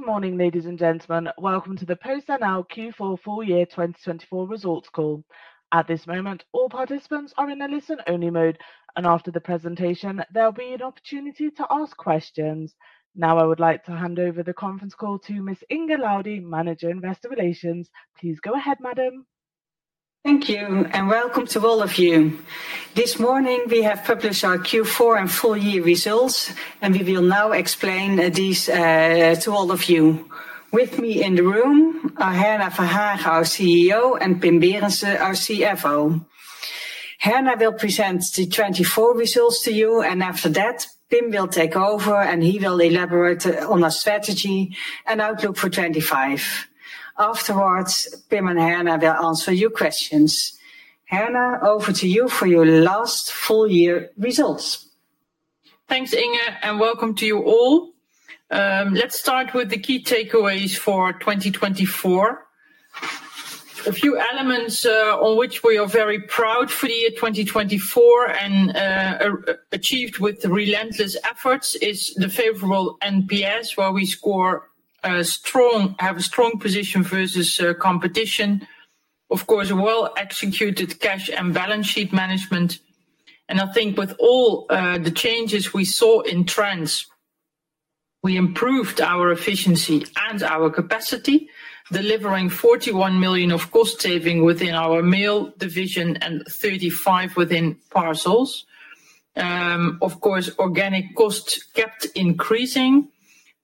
Good morning, ladies and gentlemen. Welcome to the PostNL Q4 Full Year 2024 Results Call. At this moment, all participants are in a listen-only mode, and after the presentation, there'll be an opportunity to ask questions. Now, I would like to hand over the conference call to Miss Inge Laudy, Manager in Investor Relations. Please go ahead, Madam. Thank you, and welcome to all of you. This morning, we have published our Q4 and Full Year Results, and we will now explain these to all of you. With me in the room are Herna Verhagen, our CEO, and Pim Berendsen, our CFO. Herna will present the 24 results to you, and after that, Pim will take over, and he will elaborate on our strategy and outlook for 25. Afterwards, Pim and Herna will answer your questions. Herna, over to you for your last full year results. Thanks, Inge, and welcome to you all. Let's start with the key takeaways for 2024. A few elements on which we are very proud for the year 2024 and achieved with relentless efforts is the favorable NPS, where we have a strong position versus competition. Of course, well-executed cash and balance sheet management, and I think with all the changes we saw in trends, we improved our efficiency and our capacity, delivering 41 million of cost saving within our Mail Division and 35 within Parcels. Of course, organic costs kept increasing,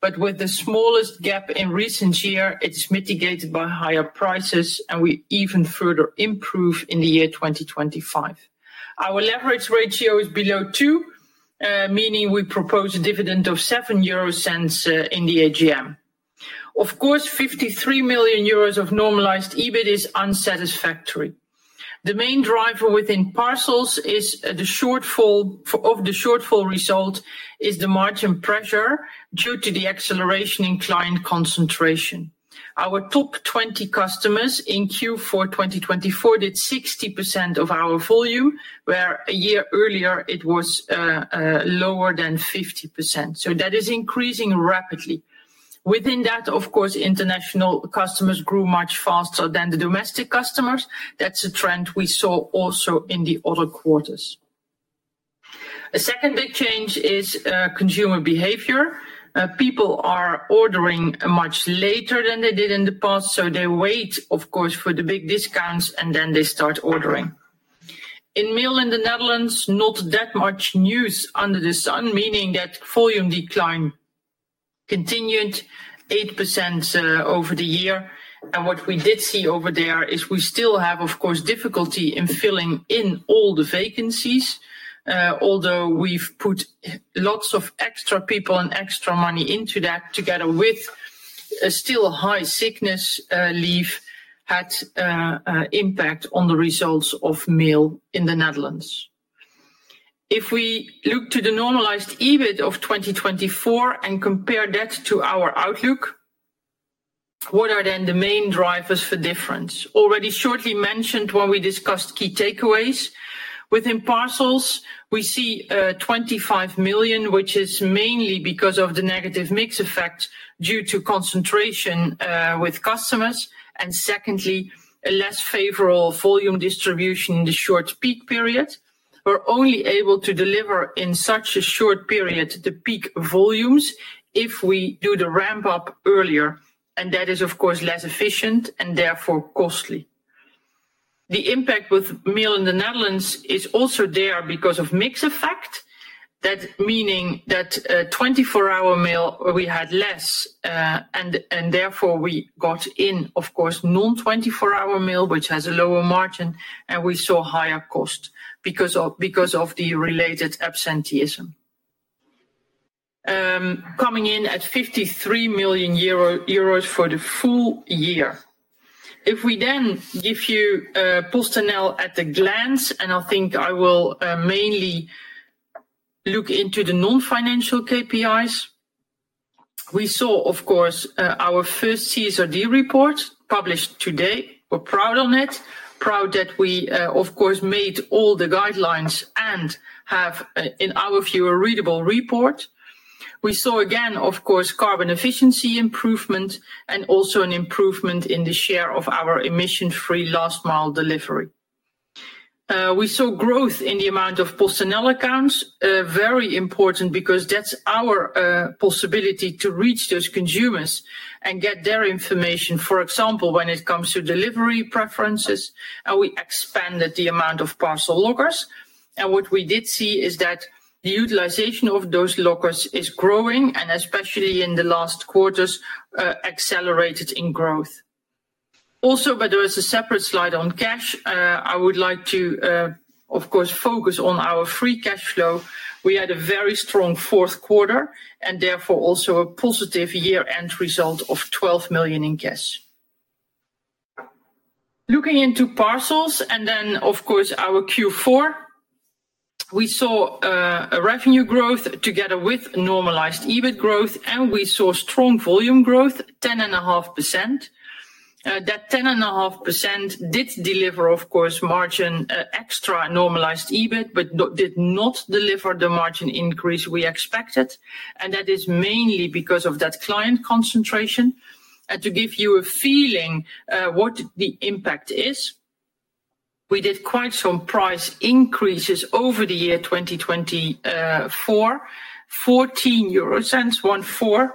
but with the smallest gap in recent years, it's mitigated by higher prices, and we even further improved in the year 2025. Our leverage ratio is below two, meaning we propose a dividend of 7 euro in the AGM. Of course, 53 million euros of normalized EBIT is unsatisfactory. The main driver within Parcels is the shortfall. The result is the margin pressure due to the acceleration in client concentration. Our top 20 customers in Q4 2024 did 60% of our volume, where a year earlier it was lower than 50%. So that is increasing rapidly. Within that, of course, international customers grew much faster than the domestic customers. That's a trend we saw also in the other Quarters. A second big change is consumer behavior. People are ordering much later than they did in the past, so they wait, of course, for the big discounts, and then they start ordering. In Mail in the Netherlands, not that much news under the sun, meaning that volume decline continued 8% over the year. And what we did see over there is we still have, of course, difficulty in filling in all the vacancies, although we've put lots of extra people and extra money into that together with still high sickness leave, had impact on the results of Mail in the Netherlands. If we look to the Normalized EBIT of 2024 and compare that to our outlook, what are then the main drivers for difference? Already shortly mentioned when we discussed key takeaways. Within Parcels, we see 25 million, which is mainly because of the negative mix effect due to concentration with customers. And secondly, a less favorable volume distribution in the short peak period. We're only able to deliver in such a short period the peak volumes if we do the ramp up earlier, and that is, of course, less efficient and therefore costly. The impact with Mail in the Netherlands is also there because of mix effect, that meaning that 24-Hour Mail we had less, and therefore we got in, of course, non-24-Hour Mail, which has a lower margin, and we saw higher cost because of the related absenteeism. Coming in at 53 million euro for the Full Year. If we then give you PostNL at a glance, and I think I will mainly look into the non-financial KPIs, we saw, of course, our first CSRD Report published today. We're proud of it, proud that we, of course, made all the guidelines and have, in our view, a readable report. We saw again, of course, carbon efficiency improvement and also an improvement in the share of our emission-free last-mile delivery. We saw growth in the amount of PostNL Accounts, very important because that's our possibility to reach those consumers and get their information, for example, when it comes to delivery preferences, and we expanded the amount of Parcel Lockers, and what we did see is that the utilization of those lockers is growing, and especially in the last Quarters, accelerated in growth. Also, but there is a separate slide on cash. I would like to, of course, focus on our Free Cash Flow. We had a very strong Fourth Quarter and therefore also a positive year-end result of 12 million in cash. Looking into Parcels and then, of course, our Q4, we saw revenue growth together with Normalized EBIT growth, and we saw strong volume growth, 10.5%. That 10.5% did deliver, of course, margin extra Normalized EBIT, but did not deliver the margin increase we expected. That is mainly because of that client concentration. To give you a feeling of what the impact is, we did quite some price increases over the year 2024, 14 euro. 14.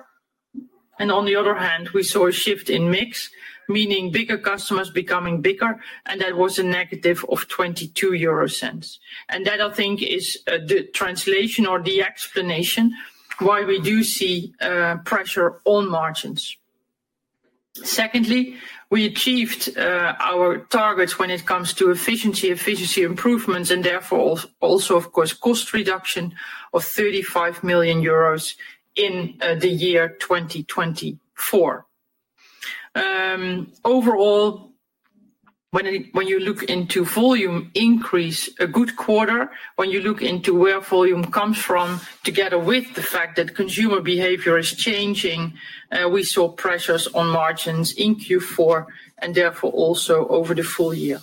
On the other hand, we saw a shift in mix, meaning bigger customers becoming bigger, and that was a negative of 22 euro. That, I think, is the translation or the explanation why we do see pressure on margins. Secondly, we achieved our targets when it comes to efficiency, efficiency improvements, and therefore also, of course, cost reduction of 35 million euros in the year 2024. Overall, when you look into volume increase, a good Quarter, when you look into where volume comes from, together with the fact that consumer behavior is changing, we saw pressures on margins in Q4 and therefore also over the Full Year.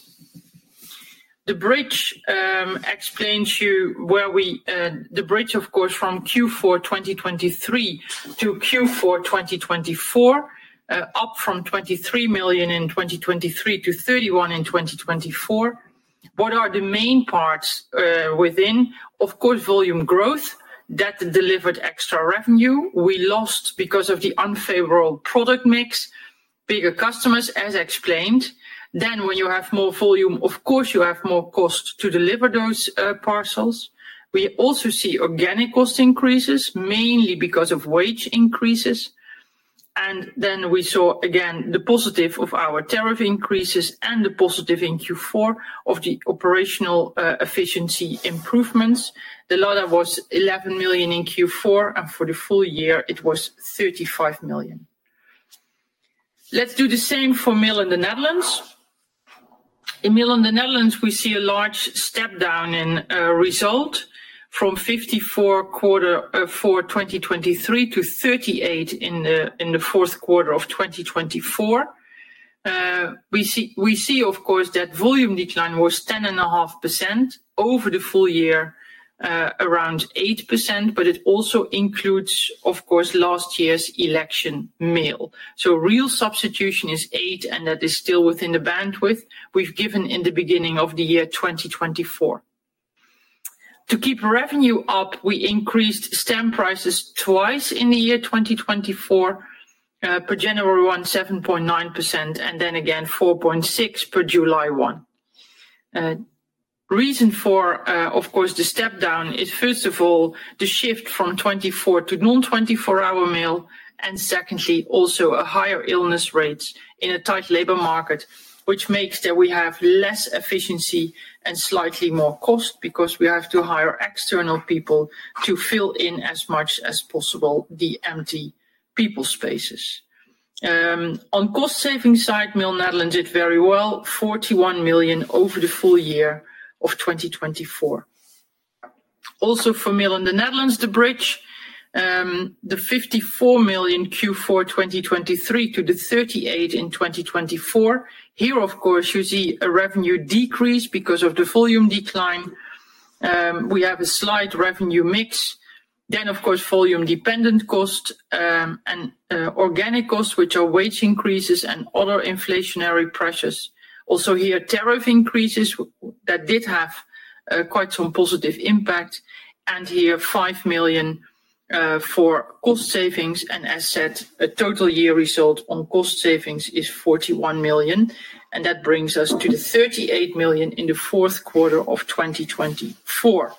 The bridge explains to you where we are, the bridge, of course, from Q4 2023 to Q4 2024, up from 23 million in 2023 to 31 million in 2024. What are the main parts within? Of course, volume growth that delivered extra revenue. We lost because of the unfavorable product mix, bigger customers, as explained. Then when you have more volume, of course, you have more cost to deliver those parcels. We also see organic cost increases, mainly because of wage increases. And then we saw again the positive of our tariff increases and the positive in Q4 of the operational efficiency improvements. The latter was 11 million in Q4, and for the Full Year, it was 35 million. Let's do the same for Mail in the Netherlands. In Mail in the Netherlands, we see a large step down in result from 54 Quarter for 2023 to 38 in the Fourth Quarter of 2024. We see, of course, that volume decline was 10.5% over the Full Year, around 8%, but it also includes, of course, last year's election mail. So real substitution is eight, and that is still within the bandwidth we've given in the beginning of the year 2024. To keep revenue up, we increased stamp prices twice in the year 2024. Per January 1, 7.9%, and then again 4.6% per July 1. Reason for, of course, the step down is, first of all, the shift from 24 to non-24-Hour Mail, and secondly, also a higher illness rate in a tight labor market, which makes that we have less efficiency and slightly more cost because we have to hire external people to fill in as much as possible the empty people spaces. On cost saving side, Mail in the Netherlands did very well, 41 million over the Full Year of 2024. Also for Mail in the Netherlands, the bridge, the 54 million Q4 2023 to the 38 in 2024. Here, of course, you see a revenue decrease because of the volume decline. We have a slight revenue mix. Then, of course, volume-dependent cost and organic costs, which are wage increases and other inflationary pressures. Also here, tariff increases that did have quite some positive impact. And here, 5 million for cost savings. And as said, a total year result on cost savings is 41 million. And that brings us to the 38 million in the Fourth Quarter of 2024.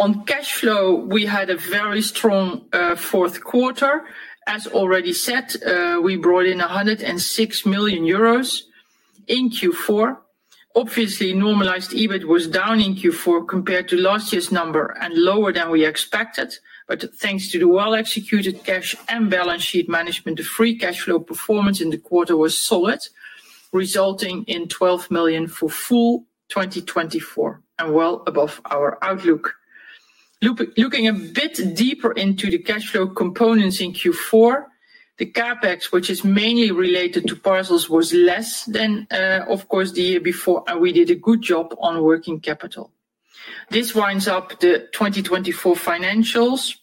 On cash flow, we had a very strong Fourth Quarter. As already said, we brought in 106 million euros in Q4. Obviously, Normalized EBIT was down in Q4 compared to last year's number and lower than we expected. But thanks to the well-executed cash and balance sheet management, the Free Cash Flow performance in the Quarter was solid, resulting in 12 million for Full 2024 and well above our outlook. Looking a bit deeper into the cash flow components in Q4, the CapEx, which is mainly related to parcels, was less than, of course, the year before, and we did a good job on working capital. This winds up the 2024 financials,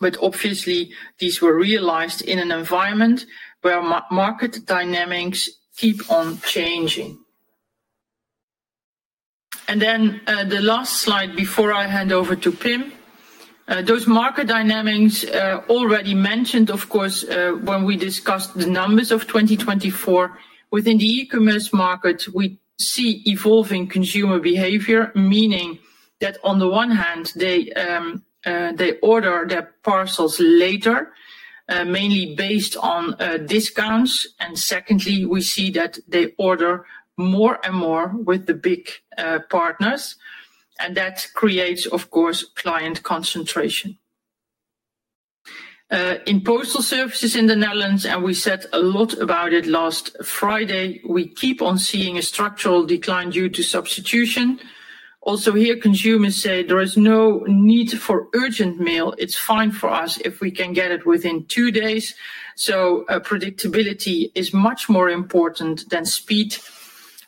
but obviously, these were realized in an environment where market dynamics keep on changing, and then the last slide before I hand over to Pim. Those market dynamics, already mentioned of course when we discussed the numbers of 2024. Within the e-commerce market, we see evolving consumer behavior, meaning that on the one hand, they order their parcels later, mainly based on discounts, and secondly, we see that they order more and more with the big partners, and that creates, of course, client concentration. In postal services in the Netherlands, and we said a lot about it last Friday, we keep on seeing a structural decline due to substitution. Also here, consumers say there is no need for urgent mail. It's fine for us if we can get it within two days, so predictability is much more important than speed.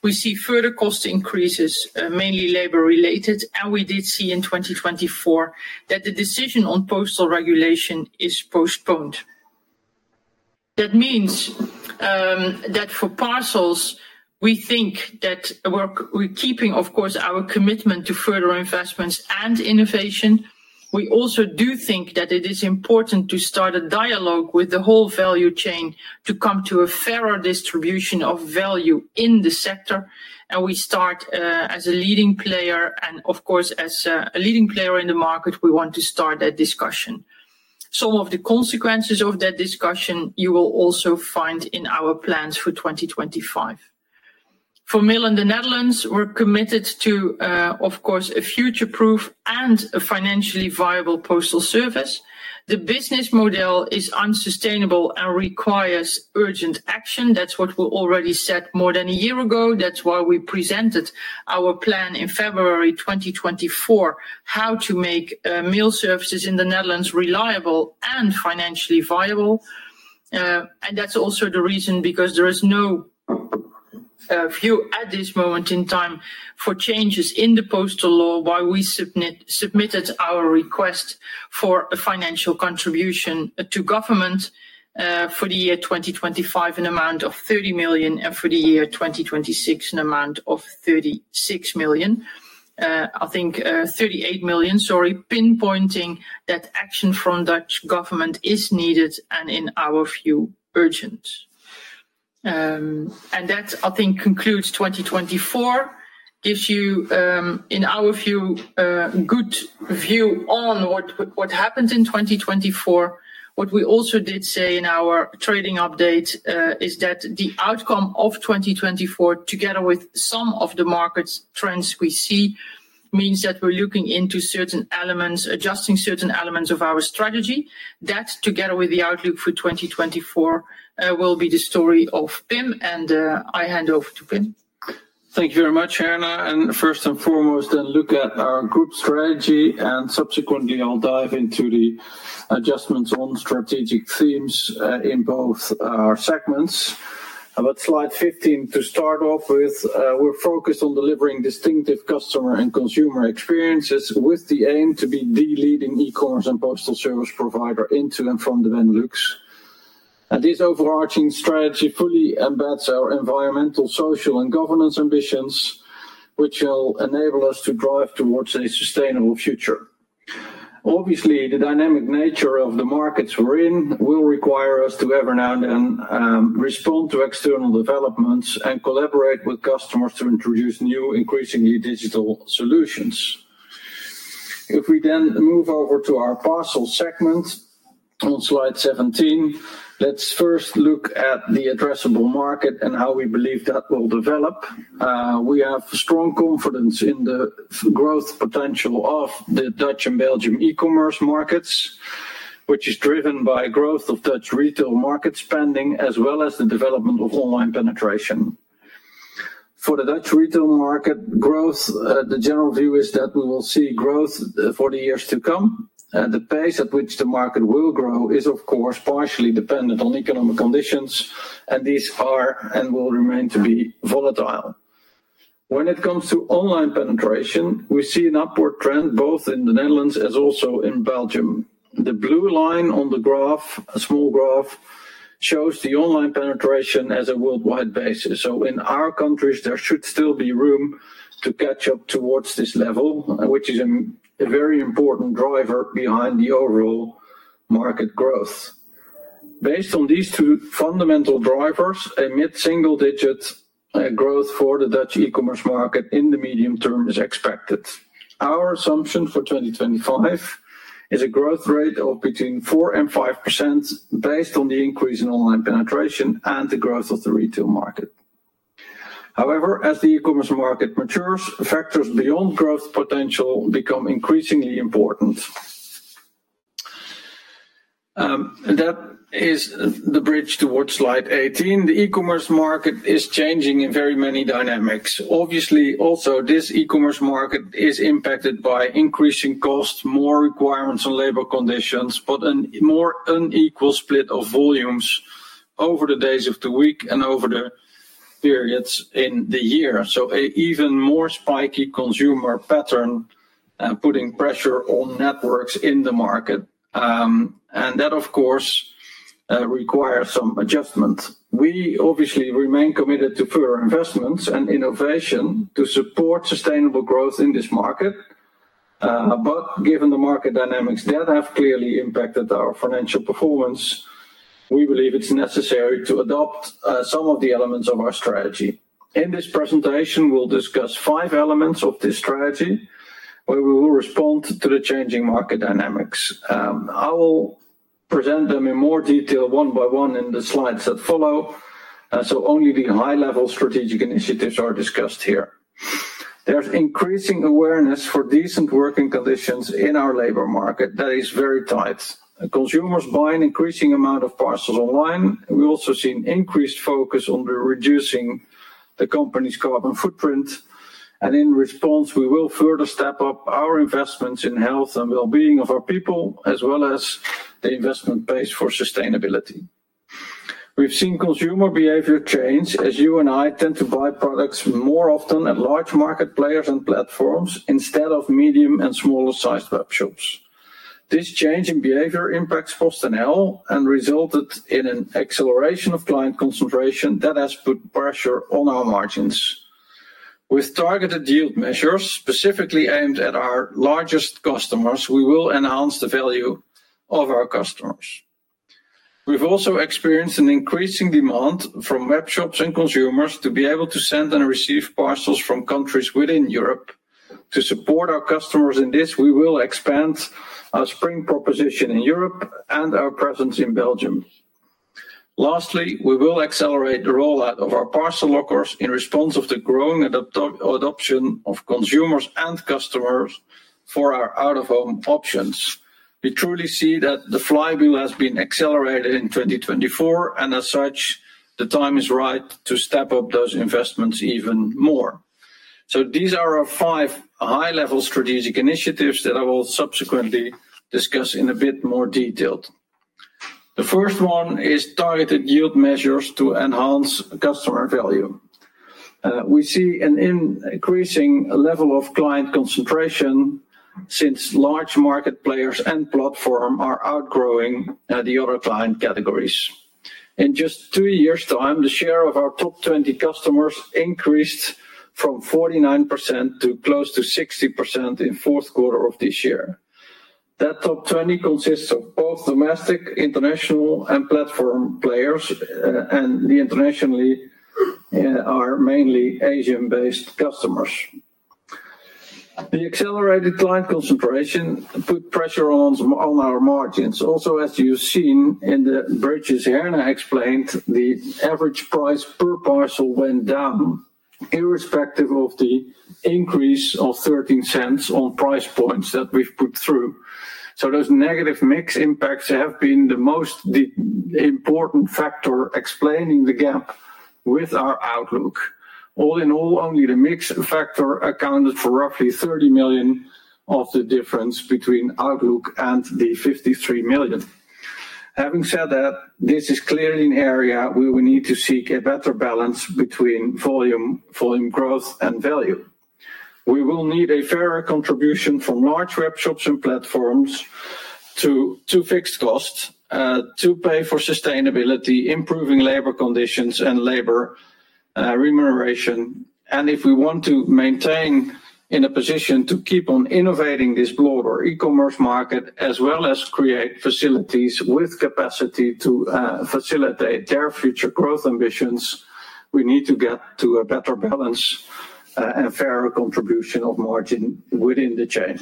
We see further cost increases, mainly labor-related, and we did see in 2024 that the decision on postal regulation is postponed. That means that for parcels, we think that we're keeping, of course, our commitment to further investments and innovation. We also do think that it is important to start a dialogue with the whole value chain to come to a fairer distribution of value in the sector, and we start as a leading player, and of course, as a leading player in the market, we want to start that discussion. Some of the consequences of that discussion you will also find in our plans for 2025. For mail in the Netherlands, we're committed to, of course, a future-proof and financially viable postal service. The business model is unsustainable and requires urgent action. That's what we already said more than a year ago. That's why we presented our plan in February 2024, how to make mail services in the Netherlands reliable and financially viable. And that's also the reason because there is no view at this moment in time for changes in the postal law, why we submitted our request for a financial contribution to government for the year 2025 in the amount of 30 million and for the year 2026 in the amount of 36 million. I think 38 million, sorry, pinpointing that action from Dutch Government is needed and in our view urgent. And that, I think, concludes 2024, gives you, in our view, a good view on what happens in 2024. What we also did say in our trading update is that the outcome of 2024, together with some of the market trends we see, means that we're looking into certain elements, adjusting certain elements of our strategy. That, together with the outlook for 2024, will be the story of Pim, and I hand over to Pim. Thank you very much, Herna, and first and foremost, let's look at our Group Strategy, and subsequently, I'll dive into the adjustments on strategic themes in both our segments, but Slide 15 to start off with, we're focused on delivering distinctive customer and consumer experiences with the aim to be the leading e-commerce and postal service provider into and from the Benelux, and this overarching strategy fully embeds our Environmental, Social, and Governance ambitions, which will enable us to drive towards a sustainable future. Obviously, the dynamic nature of the markets we're in will require us to every now and then respond to external developments and collaborate with customers to introduce new, increasingly digital solutions. If we then move over to our Parcel Segment on Slide 17, let's first look at the addressable market and how we believe that will develop. We have strong confidence in the growth potential of the Dutch and Belgian e-commerce markets, which is driven by growth of Dutch retail market spending as well as the development of online penetration. For the Dutch retail market growth, the general view is that we will see growth for the years to come. The pace at which the market will grow is, of course, partially dependent on economic conditions, and these are and will remain to be volatile. When it comes to online penetration, we see an upward trend both in the Netherlands as well as in Belgium. The blue line on the graph, a small graph, shows the online penetration as a worldwide basis. In our countries, there should still be room to catch up towards this level, which is a very important driver behind the overall market growth. Based on these two fundamental drivers, a mid-single-digit growth for the Dutch e-commerce market in the medium term is expected. Our assumption for 2025 is a growth rate of between 4% and 5% based on the increase in online penetration and the growth of the retail market. However, as the e-commerce market matures, factors beyond growth potential become increasingly important. That is the bridge towards slide 18. The e-commerce market is changing in very many dynamics. Obviously, also this e-commerce market is impacted by increasing costs, more requirements on labor conditions, but a more unequal split of volumes over the days of the week and over the periods in the year. So an even more spiky consumer pattern putting pressure on networks in the market. And that, of course, requires some adjustment. We obviously remain committed to further investments and innovation to support sustainable growth in this market. But given the market dynamics that have clearly impacted our financial performance, we believe it's necessary to adopt some of the elements of our strategy. In this presentation, we'll discuss five elements of this strategy where we will respond to the changing market dynamics. I will present them in more detail one by one in the slides that follow. So only the high-level strategic initiatives are discussed here. There's increasing awareness for decent working conditions in our labor market that is very tight. Consumers buy an increasing amount of parcels online. We also see an increased focus on reducing the company's carbon footprint. And in response, we will further step up our investments in health and well-being of our people, as well as the investment base for sustainability. We've seen consumer behavior change as you and I tend to buy products more often at large market players and platforms instead of medium and smaller-sized web shops. This change in behavior impacts PostNL and resulted in an acceleration of client concentration that has put pressure on our margins. With targeted yield measures specifically aimed at our largest customers, we will enhance the value of our customers. We've also experienced an increasing demand from web shops and consumers to be able to send and receive parcels from countries within Europe. To support our customers in this, we will expand our Spring proposition in Europe and our presence in Belgium. Lastly, we will accelerate the rollout of our Parcel Lockers in response to the growing adoption of consumers and customers for our out-of-home options. We truly see that the flywheel has been accelerated in 2024, and as such, the time is right to step up those investments even more. So these are our five high-level strategic initiatives that I will subsequently discuss in a bit more detail. The first one is targeted yield measures to enhance customer value. We see an increasing level of client concentration since large market players and platforms are outgrowing the other client categories. In just two years' time, the share of our top 20 customers increased from 49% to close to 60% in the Fourth Quarter of this year. That top 20 consists of both domestic, international, and platform players, and the internationally are mainly Asian-based customers. The accelerated client concentration put pressure on our margins. Also, as you've seen in the bridges Herna explained, the average price per parcel went down irrespective of the increase of 0.13 on price points that we've put through. So those negative mix impacts have been the most important factor explaining the gap with our outlook. All in all, only the mix factor accounted for roughly 30 million of the difference between outlook and the 53 million. Having said that, this is clearly an area where we need to seek a better balance between volume, volume growth, and value. We will need a fairer contribution from large web shops and platforms to fixed costs to pay for sustainability, improving labor conditions and labor remuneration. If we want to maintain in a position to keep on innovating this broader e-commerce market, as well as create facilities with capacity to facilitate their future growth ambitions, we need to get to a better balance and fairer contribution of margin within the chain.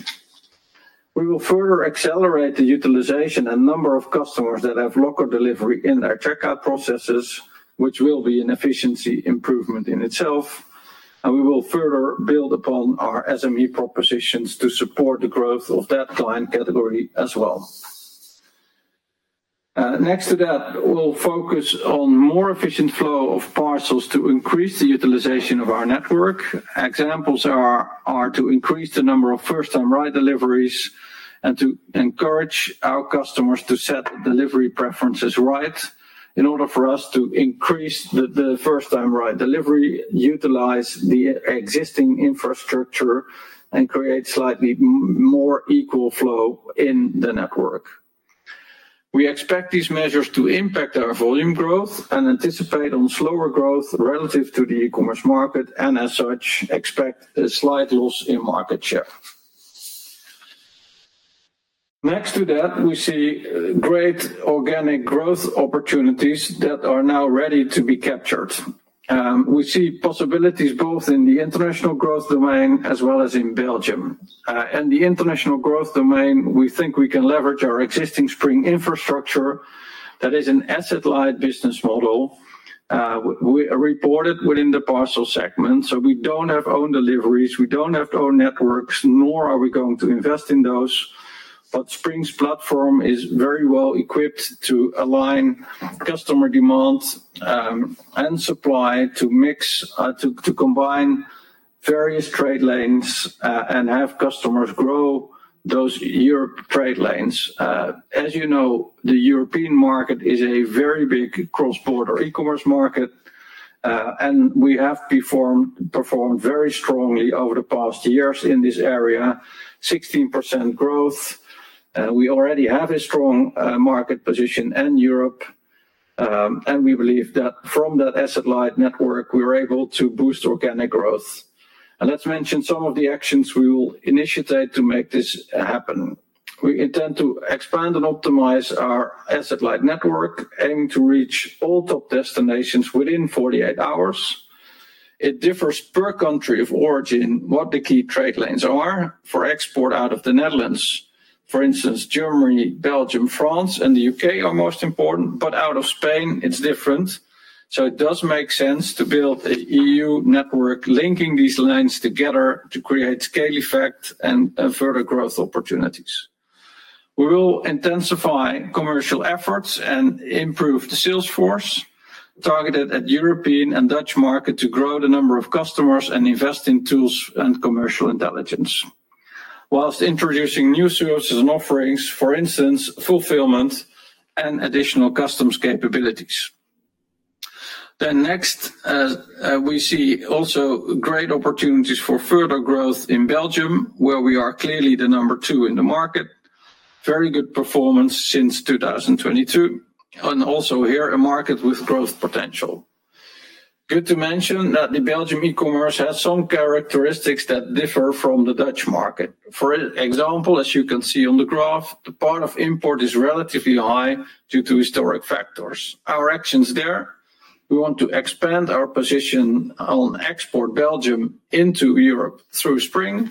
We will further accelerate the utilization and number of customers that have Locker Delivery in their checkout processes, which will be an efficiency improvement in itself. We will further build upon our SME propositions to support the growth of that client category as well. Next to that, we'll focus on more efficient flow of parcels to increase the utilization of our network. Examples are to increase the number of First-Time Right Deliveries and to encourage our customers to set delivery preferences right in order for us to increase the First-Time Right Delivery, utilize the existing infrastructure, and create slightly more equal flow in the network. We expect these measures to impact our volume growth and anticipate on slower growth relative to the e-commerce market and, as such, expect a slight loss in market share. Next to that, we see great organic growth opportunities that are now ready to be captured. We see possibilities both in the international growth domain as well as in Belgium. In the international growth domain, we think we can leverage our existing Spring infrastructure. That is an asset-light business model. We report it within the Parcel Segment. So we don't have own deliveries. We don't have own networks, nor are we going to invest in those. Spring's platform is very well equipped to align customer demand and supply to combine various trade lanes and have customers grow those Europe trade lanes. As you know, the European market is a very big cross-border e-commerce market, and we have performed very strongly over the past years in this area, 16% growth. We already have a strong market position in Europe, and we believe that from that asset-light network, we are able to boost organic growth. Let's mention some of the actions we will initiate to make this happen. We intend to expand and optimize our asset-light network, aiming to reach all top destinations within 48 hours. It differs per country of origin what the key trade lanes are for export out of the Netherlands. For instance, Germany, Belgium, France, and the U.K. are most important, but out of Spain, it's different. It does make sense to build an EU network linking these lines together to create scale effect and further growth opportunities. We will intensify commercial efforts and improve the sales force targeted at the European and Dutch market to grow the number of customers and invest in tools and commercial intelligence, while introducing new services and offerings, for instance, fulfillment and additional customs capabilities. Next, we see also great opportunities for further growth in Belgium, where we are clearly the number two in the market, very good performance since 2022, and also here a market with growth potential. Good to mention that the Belgian e-commerce has some characteristics that differ from the Dutch market. For example, as you can see on the graph, the part of import is relatively high due to historic factors. Our actions there, we want to expand our position on export Belgium into Europe through Spring,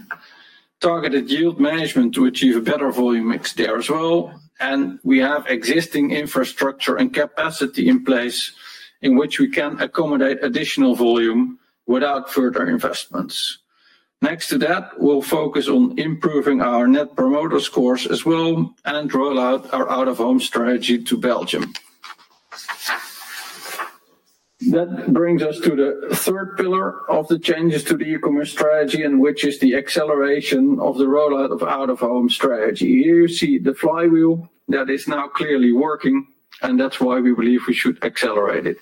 targeted yield management to achieve a better volume mix there as well, and we have existing infrastructure and capacity in place in which we can accommodate additional volume without further investments. Next to that, we'll focus on improving our net promoter scores as well and roll out our out-of-home strategy to Belgium. That brings us to the third pillar of the changes to the e-commerce strategy, which is the acceleration of the rollout of out-of-home strategy. Here you see the flywheel that is now clearly working, and that's why we believe we should accelerate it.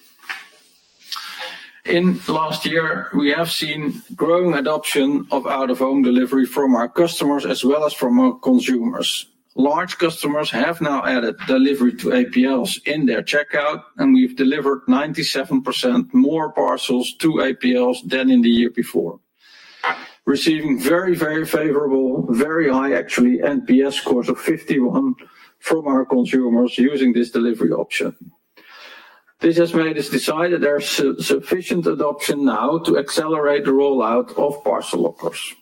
In last year, we have seen growing adoption of out-of-home delivery from our customers as well as from our consumers. Large customers have now added delivery to APLs in their checkout, and we've delivered 97% more parcels to APLs than in the year before, receiving very, very favorable, very high actually NPS scores of 51 from our consumers using this delivery option. This has made us decide that there's sufficient adoption now to accelerate the rollout of Parcel Lockers.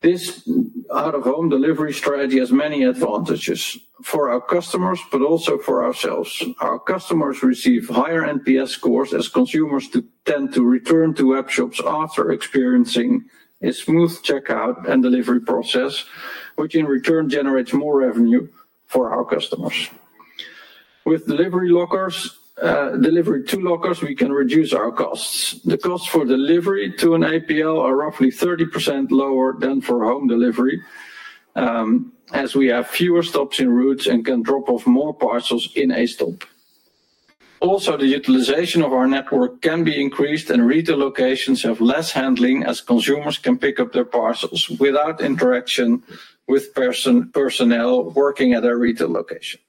This Out-of-Home Delivery Strategy has many advantages for our customers, but also for ourselves. Our customers receive higher NPS scores as consumers tend to return to web shops after experiencing a smooth checkout and delivery process, which in return generates more revenue for our customers. With delivery to lockers, we can reduce our costs. The costs for delivery to an APL are roughly 30% lower than for home delivery, as we have fewer stops in routes and can drop off more parcels in a stop. Also, the utilization of our network can be increased, and retail locations have less handling as consumers can pick up their parcels without interaction with personnel working at their retail location.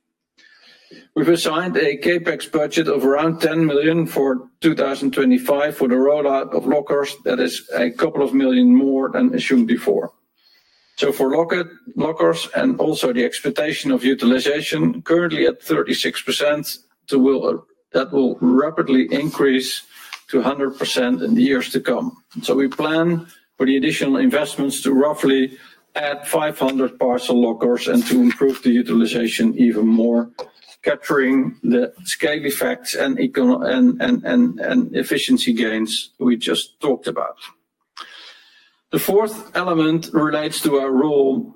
We've assigned a CapEx budget of around 10 million for 2025 for the rollout of lockers. That is a couple of million more than assumed before. So for lockers and also the expectation of utilization currently at 36%, that will rapidly increase to 100% in the years to come. So we plan for the additional investments to roughly add 500 Parcel Lockers and to improve the utilization even more, capturing the scale effects and efficiency gains we just talked about. The fourth element relates to our role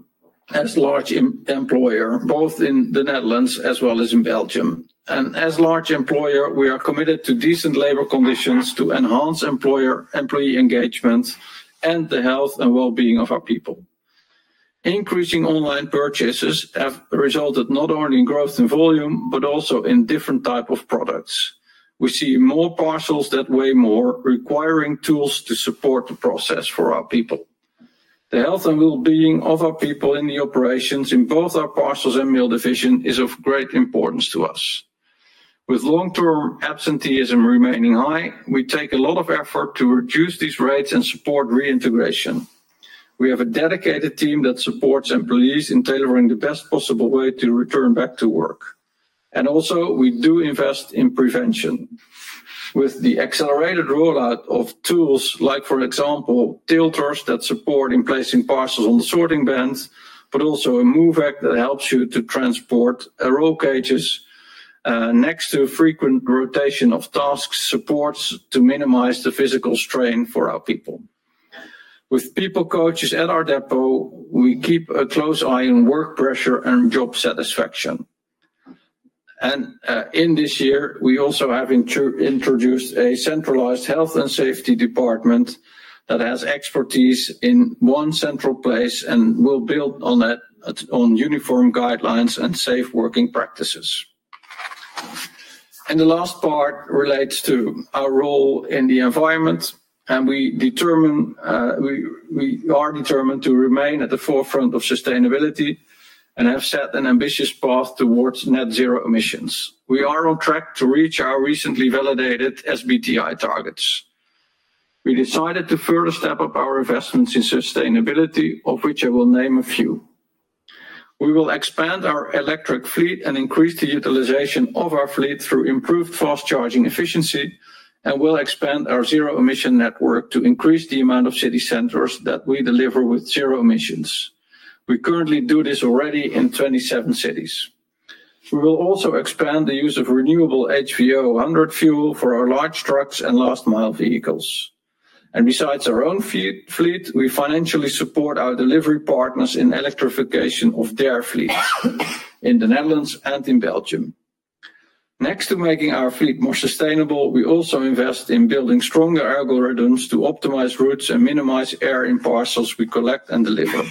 as a large employer, both in the Netherlands as well as in Belgium. As a large employer, we are committed to decent labor conditions to enhance employee engagement and the health and well-being of our people. Increasing online purchases have resulted not only in growth in volume, but also in different types of products. We see more parcels that weigh more, requiring tools to support the process for our people. The health and well-being of our people in the operations in both our parcels and Mail Division is of great importance to us. With long-term absenteeism remaining high, we take a lot of effort to reduce these rates and support reintegration. We have a dedicated team that supports employees in tailoring the best possible way to return back to work. Also, we do invest in prevention. With the accelerated rollout of tools like, for example, tilters that support in placing parcels on the sorting bands, but also a mover that helps you to transport a roll cages next to frequent rotation of tasks, supports to minimize the physical strain for our people. With people coaches at our depot, we keep a close eye on work pressure and job satisfaction, and in this year, we also have introduced a centralized Health and Safety Department that has expertise in one central place and will build on uniform guidelines and safe working practices, and the last part relates to our role in the environment, and we are determined to remain at the forefront of sustainability and have set an ambitious path towards Net Zero Emissions. We are on track to reach our recently validated SBTi targets. We decided to further step up our investments in sustainability, of which I will name a few. We will expand our Electric Fleet and increase the utilization of our fleet through improved fast charging efficiency, and we'll expand our Zero Emission Network to increase the amount of city centers that we deliver with zero emissions. We currently do this already in 27 cities. We will also expand the use of renewable HVO100 fuel for our large trucks and Last Mile vehicles. And besides our own fleet, we financially support our delivery partners in electrification of their fleet in the Netherlands and in Belgium. Next to making our fleet more sustainable, we also invest in building stronger algorithms to optimize routes and minimize error in parcels we collect and deliver.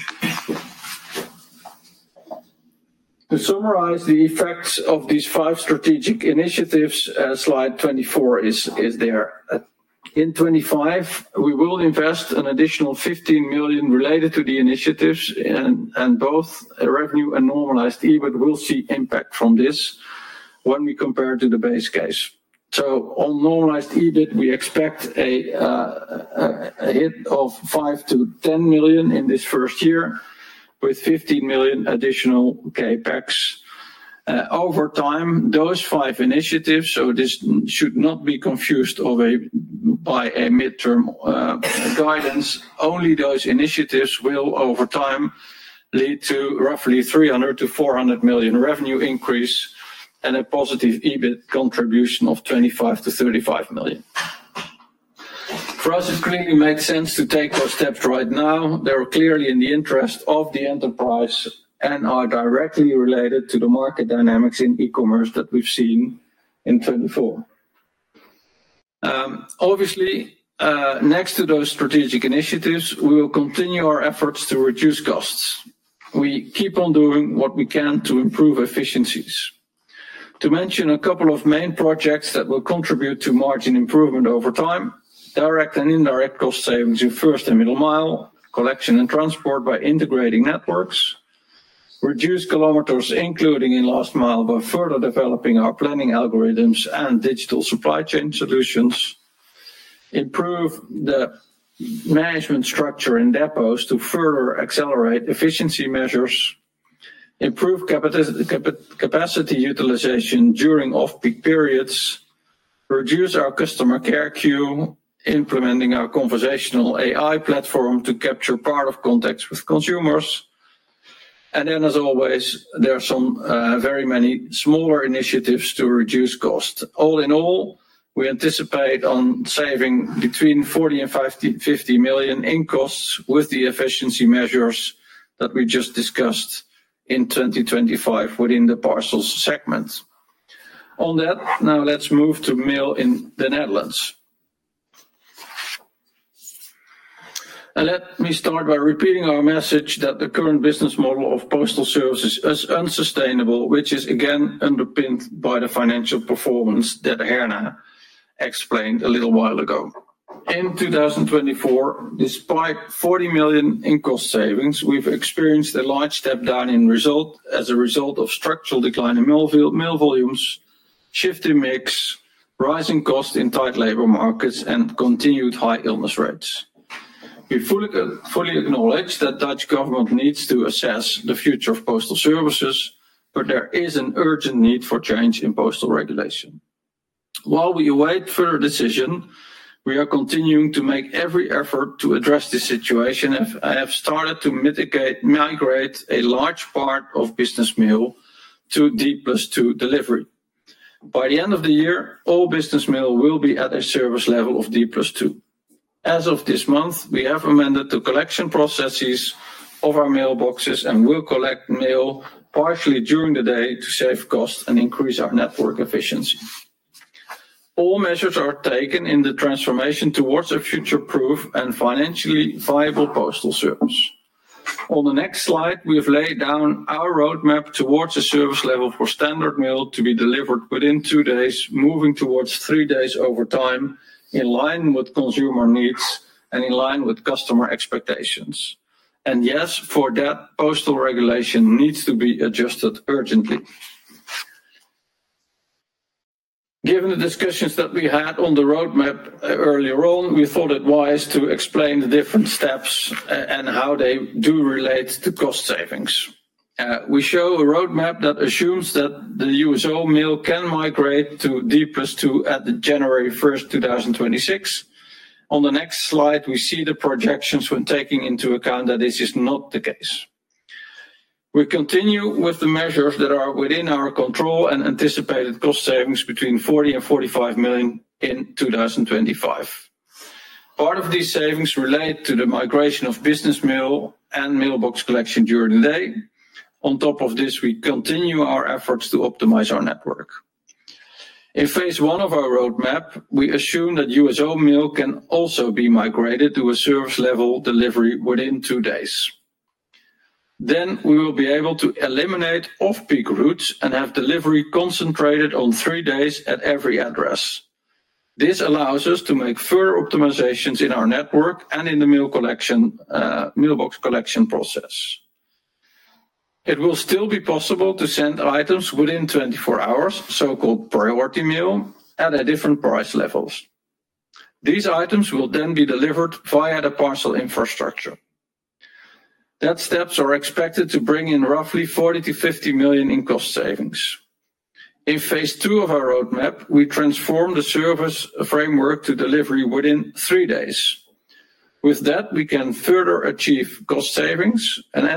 To summarize the effects of these five strategic initiatives, Slide 24 is there. In 2025, we will invest an additional 15 million related to the initiatives, and both revenue and Normalized EBIT will see impact from this when we compare to the base case. So on Normalized EBIT, we expect a hit of 5 million-10 million in this first year with 15 million additional CapEx. Over time, those five initiatives, so this should not be confused by a Midterm Guidance, only those initiatives will over time lead to roughly 300 million-400 million revenue increase and a positive EBIT contribution of 25 million-35 million. For us, it clearly makes sense to take those steps right now. They're clearly in the interest of the enterprise and are directly related to the market dynamics in e-commerce that we've seen in 2024. Obviously, next to those strategic initiatives, we will continue our efforts to reduce costs. We keep on doing what we can to improve efficiencies. To mention a couple of main projects that will contribute to margin improvement over time: Direct and Indirect Cost Savings in First and Middle Mile, Collection and Transport by integrating networks, reduce kilometers including in Last Mile by further developing our planning algorithms and Digital Supply Chain Solutions, improve the management structure in depots to further accelerate efficiency measures, improve capacity utilization during off-peak periods, reduce our Customer Care Queue, implementing our Conversational AI Platform to capture part of context with consumers. And then, as always, there are some very many smaller initiatives to reduce costs. All in all, we anticipate on saving between 40 million and 50 million in costs with the efficiency measures that we just discussed in 2025 within the parcels segment. On that, now let's move to Mail in the Netherlands. Let me start by repeating our message that the current business model of postal services is unsustainable, which is again underpinned by the financial performance that Herna explained a little while ago. In 2024, despite 40 million in cost savings, we've experienced a large step down in result as a result of structural decline in Mail Volumes, shift in mix, rising costs in tight labor markets, and continued high illness rates. We fully acknowledge that Dutch government needs to assess the future of postal services, but there is an urgent need for change in postal regulation. While we await further decision, we are continuing to make every effort to address this situation. I have started to migrate a large part of Business Mail to D plus two delivery. By the end of the year, all Business Mail will be at a service level of D plus two. As of this month, we have amended the collection processes of our mailboxes and will collect mail partially during the day to save costs and increase our network efficiency. All measures are taken in the transformation towards a future-proof and financially viable postal service. On the next Slide, we have laid down our roadmap towards a service level for Standard Mail to be delivered within two days, moving towards three days over time in line with consumer needs and in line with customer expectations, and yes, for that, postal regulation needs to be adjusted urgently. Given the discussions that we had on the roadmap earlier on, we thought it wise to explain the different steps and how they do relate to cost savings. We show a roadmap that assumes that the USO Mail can migrate to D plus two at January 1st, 2026. On the next Slide, we see the projections when taking into account that this is not the case. We continue with the measures that are within our control and anticipated cost savings between 40 million and 45 million in 2025. Part of these savings relate to the migration of Business Mail and mailbox collection during the day. On top of this, we continue our efforts to optimize our network. In Phase I of our roadmap, we assume that USO Mail can also be migrated to a service level delivery within two days. Then we will be able to eliminate off-peak routes and have delivery concentrated on three days at every address. This allows us to make further optimizations in our network and in the mailbox collection process. It will still be possible to send items within 24 hours, so-called Priority Mail, at different price levels. These items will then be delivered via the parcel infrastructure. Those steps are expected to bring in roughly 40-50 million in cost savings. In Phase II of our roadmap, we transform the service framework to delivery within three days. With that, we can further achieve cost savings, and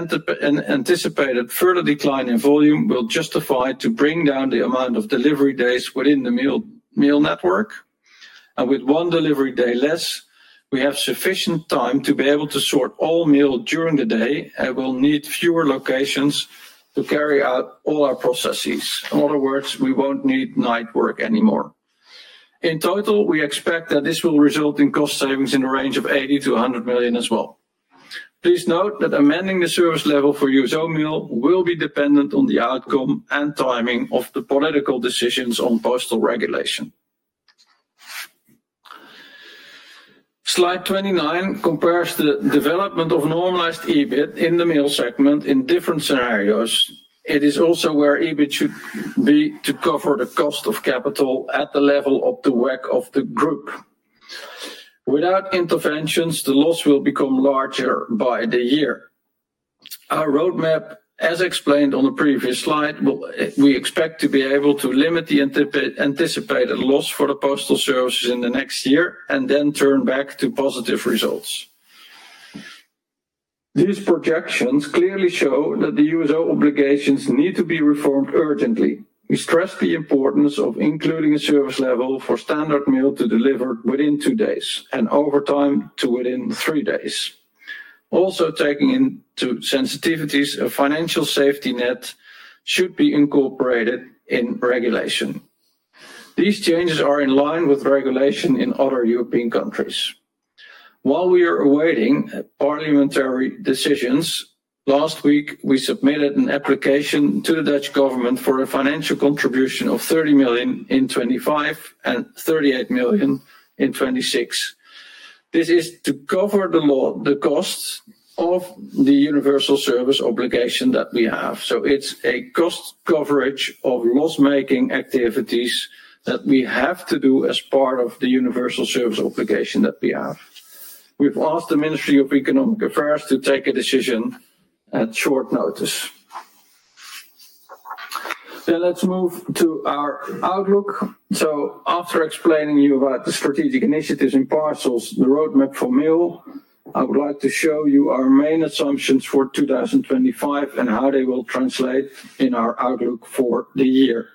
anticipated further decline in volume will justify to bring down the amount of delivery days within the mail network. And with one delivery day less, we have sufficient time to be able to sort all mail during the day and will need fewer locations to carry out all our processes. In other words, we won't need night work anymore. In total, we expect that this will result in cost savings in the range of 80-100 million as well. Please note that amending the service level for USO Mail will be dependent on the outcome and timing of the political decisions on postal regulation. Slide 29 compares the development of Normalized EBIT in the Mail Segment in different scenarios. It is also where EBIT should be to cover the cost of capital at the level of the WACC of the group. Without interventions, the loss will become larger by the year. Our roadmap, as explained on the previous Slide, we expect to be able to limit the anticipated loss for the postal services in the next year and then turn back to positive results. These projections clearly show that the USO obligations need to be reformed urgently. We stress the importance of including a service level for Standard Mail to deliver within two days and over time to within three days. Also taking into sensitivities, a financial safety net should be incorporated in regulation. These changes are in line with regulation in other European countries. While we are awaiting parliamentary decisions, last week we submitted an application to the Dutch Government for a financial contribution of 30 million in 2025 and 38 million in 2026. This is to cover the costs of the Universal Service Obligation that we have. So it's a cost coverage of loss-making activities that we have to do as part of the Universal Service Obligation that we have. We've asked the Ministry of Economic Affairs to take a decision at short notice. Then let's move to our outlook. So after explaining to you about the strategic initiatives in parcels, the roadmap for Mail, I would like to show you our main assumptions for 2025 and how they will translate in our outlook for the year.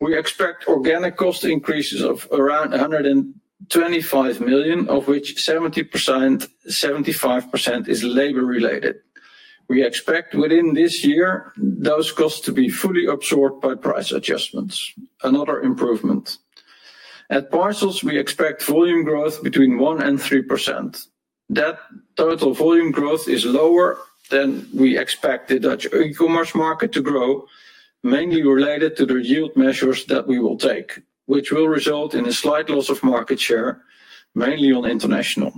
We expect organic cost increases of around 125 million, of which 75% is labor-related. We expect within this year, those costs to be fully absorbed by price adjustments. Another improvement. At Parcels, we expect volume growth between 1%-3%. That total volume growth is lower than we expect the Dutch e-commerce market to grow, mainly related to the Yield Measures that we will take, which will result in a slight loss of market share, mainly on international.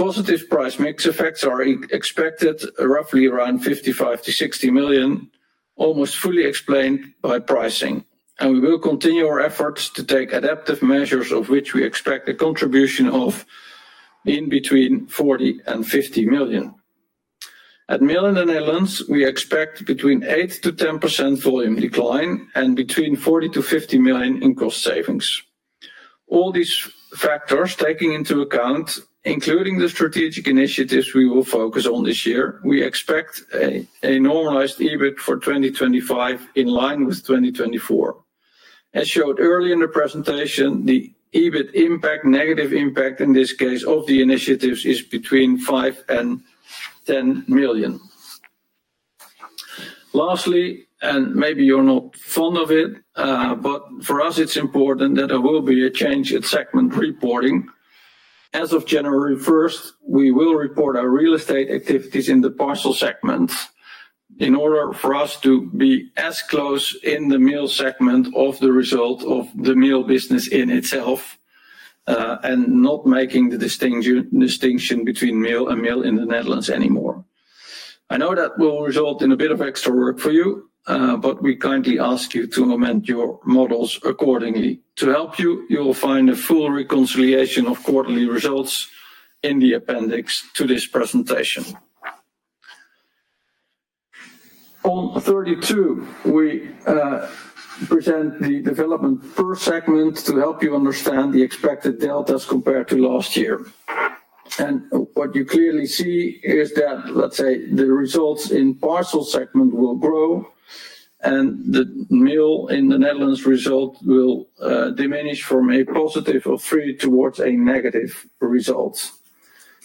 Positive price mix effects are expected roughly around 55-60 million, almost fully explained by pricing. And we will continue our efforts to take adaptive measures, of which we expect a contribution of in between 40-50 million. At Mail in the Netherlands, we expect between 8%-10% volume decline and between 40-50 million in cost savings. All these factors taking into account, including the strategic initiatives we will focus on this year, we expect a Normalized EBIT for 2025 in line with 2024. As showed earlier in the presentation, the EBIT impact, negative impact in this case of the initiatives, is between 5 million and 10 million. Lastly, and maybe you're not fond of it, but for us, it's important that there will be a change in Segment Reporting. As of January 1st, we will report our Real Estate Activities in the Parcel Segments in order for us to be as close in the Mail Segment of the result of the mail business in itself and not making the distinction between Mail and Parcels in the Netherlands anymore. I know that will result in a bit of extra work for you, but we kindly ask you to amend your models accordingly. To help you, you will find a full reconciliation of Quarterly Results in the appendix to this presentation. On 32, we present the development per segment to help you understand the expected deltas compared to last year. What you clearly see is that, let's say, the results in Parcel Segment will grow and the Mail in the Netherlands result will diminish from a positive of three towards a negative result.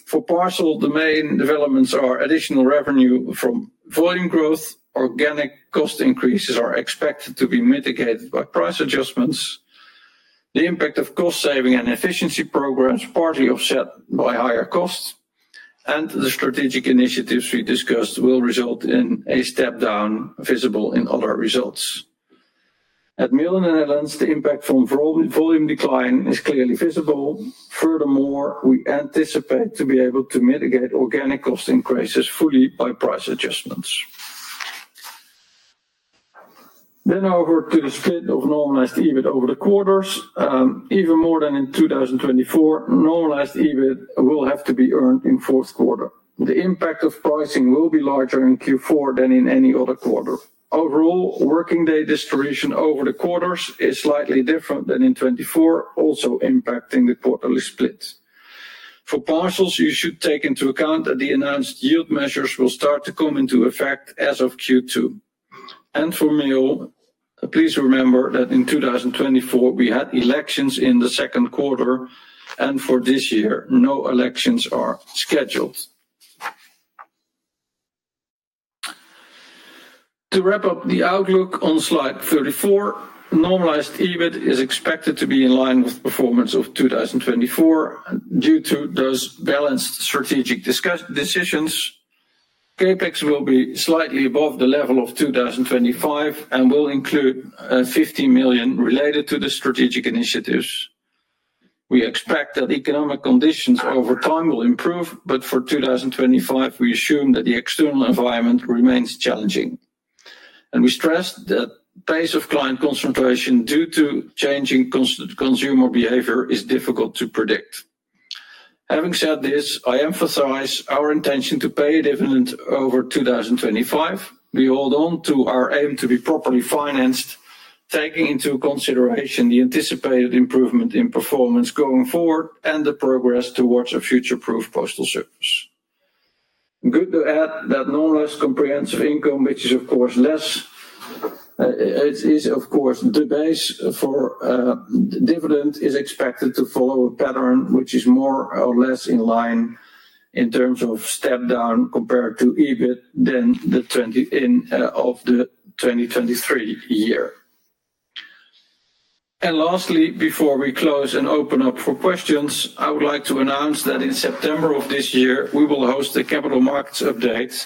For Parcel, the main developments are additional revenue from volume growth. Organic cost increases are expected to be mitigated by price adjustments. The impact of cost saving and efficiency programs partly offset by higher costs. The strategic initiatives we discussed will result in a step down visible in other results. At Mail in the Netherlands, the impact from volume decline is clearly visible. Furthermore, we anticipate to be able to mitigate organic cost increases fully by price adjustments. Then over to the split of Normalized EBIT over the quarters. Even more than in 2024, Normalized EBIT will have to be earned in Fourth Quarter. The impact of pricing will be larger in Q4 than in any other Quarter. Overall, Working Day Distribution over the quarters is slightly different than in 2024, also impacting the Quarterly split. For parcels, you should take into account that the announced Yield Measures will start to come into effect as of Q2. And for Mail, please remember that in 2024, we had elections in the Second Quarter, and for this year, no elections are scheduled. To wrap up the outlook on Slide 34, Normalized EBIT is expected to be in line with performance of 2024 due to those balanced Strategic Decisions. CapEx will be slightly above the level of 2025 and will include 50 million related to the strategic initiatives. We expect that economic conditions over time will improve, but for 2025, we assume that the external environment remains challenging, and we stress that the pace of Client Concentration due to changing consumer behavior is difficult to predict. Having said this, I emphasize our intention to pay a dividend over 2025. We hold on to our aim to be properly financed, taking into consideration the anticipated improvement in performance going forward and the progress towards a Future-Proof Postal Service. Good to add that Normalized Comprehensive Income, which is of course less, is the base for dividend, is expected to follow a pattern which is more or less in line in terms of step down compared to EBIT than the 20% of the 2023 year. Lastly, before we close and open up for questions, I would like to announce that in September of this year, we will host the Capital Markets update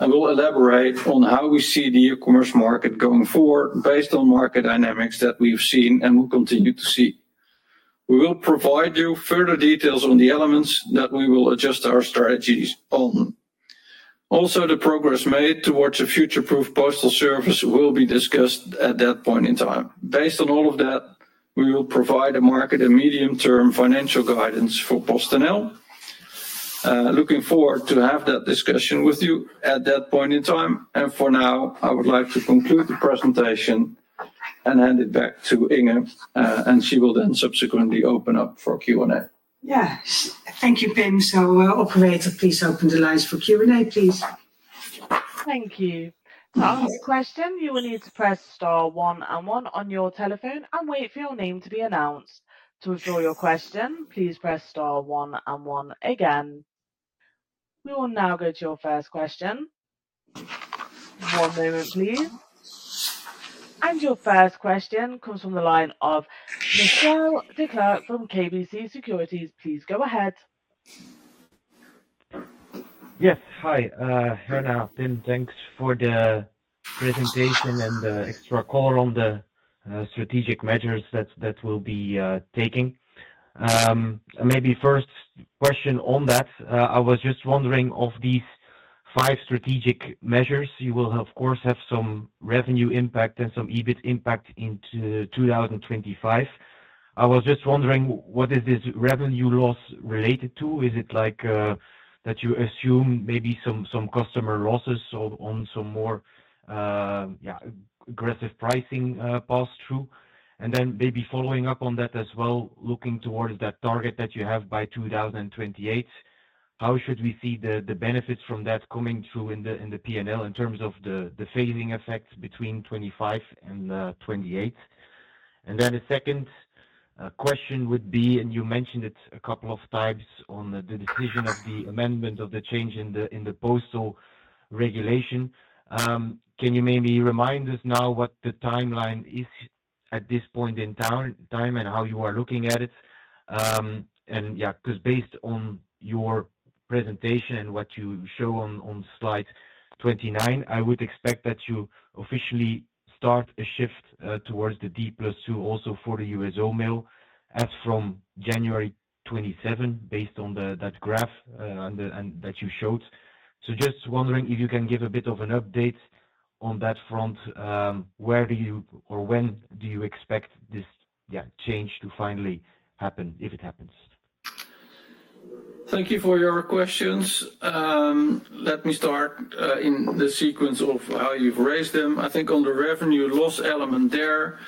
and will elaborate on how we see the e-commerce market going forward based on market dynamics that we've seen and will continue to see. We will provide you further details on the elements that we will adjust our strategies on. Also, the progress made towards a Future-Proof Postal Service will be discussed at that point in time. Based on all of that, we will provide a market and Medium-Term Financial Guidance for PostNL. Looking forward to have that discussion with you at that point in time. For now, I would like to conclude the presentation and hand it back to Inge, and she will then subsequently open up for Q&A. Yeah, thank you, Pim. So operator, please open the lines for Q&A, please. Thank you. To answer the question, you will need to press star one and one on your telephone and wait for your name to be announced. To withdraw your question, please press star one and one again. We will now go to your first question. One moment, please. And your first question comes from the line of Michiel Declercq from KBC Securities. Please go ahead. Yes, hi. Here now, Pim, thanks for the presentation and the extra call on the Strategic Measures that we'll be taking. And maybe first question on that, I was just wondering of these five Strategic Measures, you will of course have some revenue impact and some EBIT impact into 2025. I was just wondering, what is this revenue loss related to? Is it like that you assume maybe some customer losses on some more aggressive pricing pass through? And then maybe following up on that as well, looking towards that target that you have by 2028, how should we see the benefits from that coming through in the P&L in terms of the phasing effects between 2025 and 2028? And then the second question would be, and you mentioned it a couple of times on the decision of the amendment of the change in the postal regulation. Can you maybe remind us now what the timeline is at this point in time and how you are looking at it? Yeah, because based on your presentation and what you show on Slide 29, I would expect that you officially start a shift towards the D plus two also for the USO Mail as from January 27, based on that graph that you showed. Just wondering if you can give a bit of an update on that front, where do you or when do you expect this change to finally happen if it happens? Thank you for your questions. Let me start in the sequence of how you've raised them. I think on the Revenue Loss element there,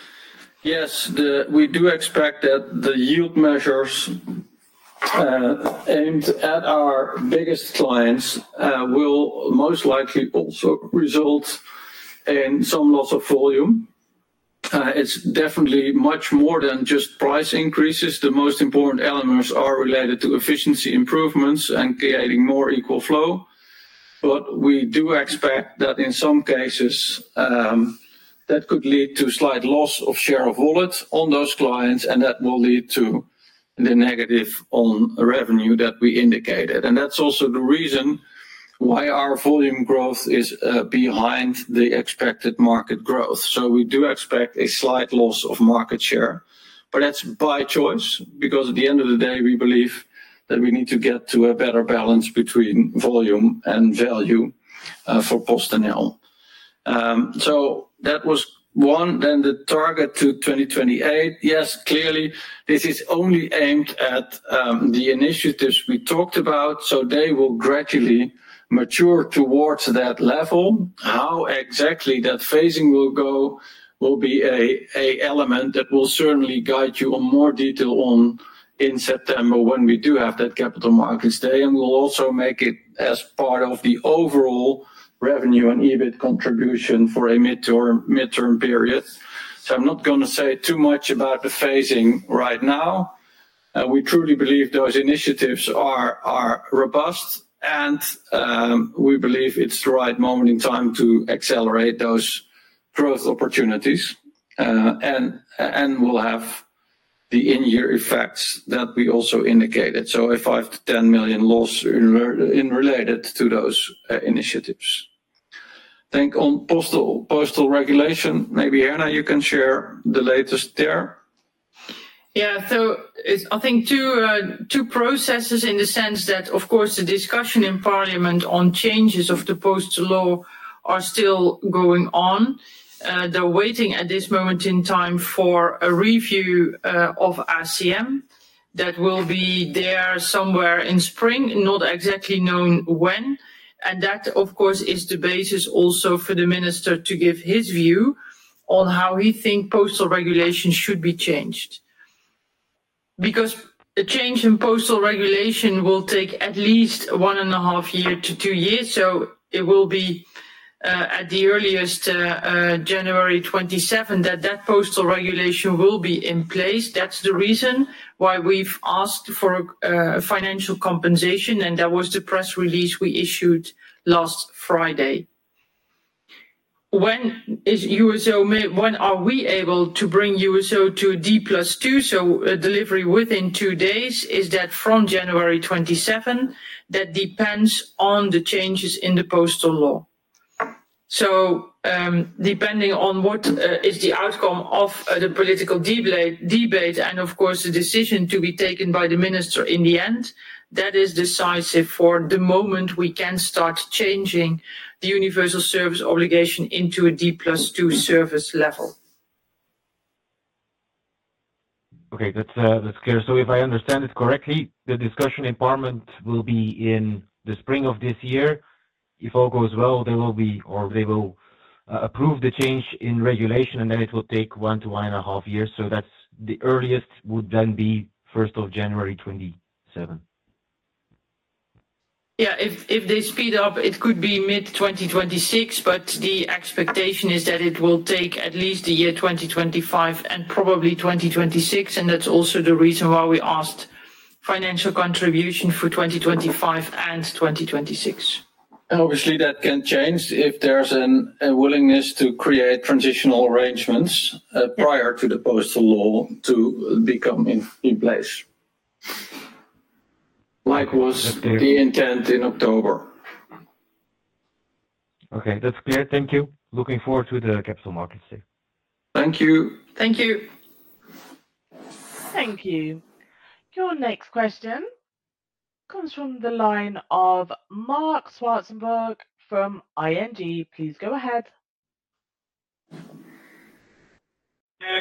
yes, we do expect that the Yield Measures aimed at our biggest clients will most likely also result in some loss of volume. It's definitely much more than just price increases. The most important elements are related to efficiency improvements and creating more equal flow. But we do expect that in some cases, that could lead to slight loss of share of wallet on those clients, and that will lead to the negative on revenue that we indicated. And that's also the reason why our volume growth is behind the expected market growth. So we do expect a slight loss of market share, but that's by choice because at the end of the day, we believe that we need to get to a better balance between volume and value for PostNL. So that was one. Then the target to 2028, yes, clearly this is only aimed at the initiatives we talked about. So they will gradually mature towards that level. How exactly that phasing will go will be an element that will certainly guide you in more detail on in September when we do have that Capital Markets Day. And we'll also make it as part of the overall revenue and EBIT contribution for a Midterm Period. So I'm not going to say too much about the phasing right now. We truly believe those Initiatives are robust, and we believe it's the right moment in time to accelerate those growth opportunities and will have the In-Year Effects that we also indicated. So a five million-10 million loss related to those initiatives. Turning to postal regulation. Maybe Herna, you can share the latest there. Yeah, so I think two processes in the sense that, of course, the discussion in Parliament on changes of the postal law are still going on. They're waiting at this moment in time for a review of ACM that will be there somewhere in spring, not exactly known when. And that, of course, is the basis also for the minister to give his view on how he thinks postal regulation should be changed. Because a change in postal regulation will take at least one and a half years to two years. So it will be at the earliest January 27 that that postal regulation will be in place. That's the reason why we've asked for financial compensation, and that was the press release we issued last Friday. When are we able to bring USO to D plus two, so a delivery within two days? Is that from January 27? That depends on the changes in the postal law. So, depending on what is the outcome of the political debate, and of course, the decision to be taken by the minister in the end, that is decisive for the moment we can start changing the universal service obligation into a D plus two service level. Okay, that's clear. If I understand it correctly, the discussion in Parliament will be in the spring of this year. If all goes well, there will be or they will approve the change in regulation, and then it will take one to one and a half years. That's the earliest would then be 1st of January 2027. Yeah, if they speed up, it could be mid-2026, but the expectation is that it will take at least the year 2025 and probably 2026. That's also the reason why we asked financial contribution for 2025 and 2026. Obviously, that can change if there's a willingness to create transitional arrangements prior to the postal law to become in place. Like was the intent in October. Okay, that's clear. Thank you. Looking forward to the Capital Markets Day. Thank you. Thank you. Thank you. Your next question comes from the line of Marc Zwartsenburg from ING. Please go ahead.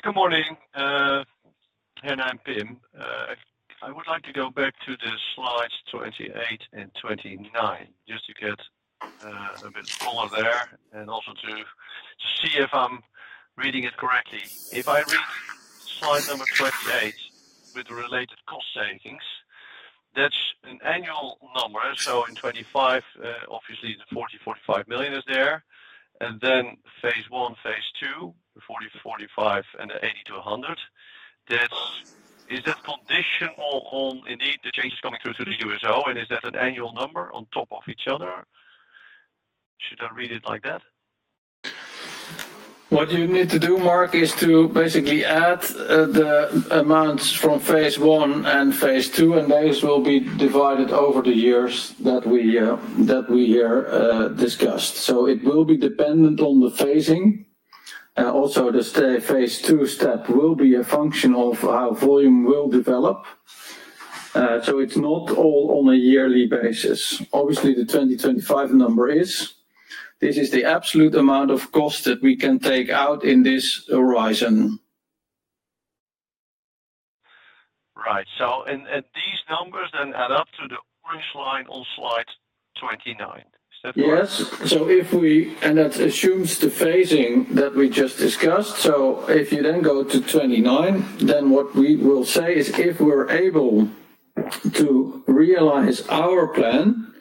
Good morning. Herna, Pim. I would like to go back to the slides 28 and 29 just to get a bit smaller there and also to see if I'm reading it correctly. If I read Slide Number 28 with related cost savings, that's an annual number. So in 2025, obviously, the 40-45 million is there. And then Phase I, Phase II, the 40-45, and the 80-100. Is that conditional on indeed the changes coming through to the USO? Is that an annual number on top of each other? Should I read it like that? What you need to do, Marc, is to basically add the amounts from Phase I and Phase II, and those will be divided over the years that we here discussed. It will be dependent on the phasing. Also, the Phase II step will be a function of how volume will develop. It's not all on a yearly basis. Obviously, the 2025 number is. This is the absolute amount of cost that we can take out in this horizon. Right. These numbers then add up to the orange line on Slide 29. Is that correct? Yes. If we, and that assumes the phasing that we just discussed. If you then go to 29, then what we will say is if we're able to realize our plan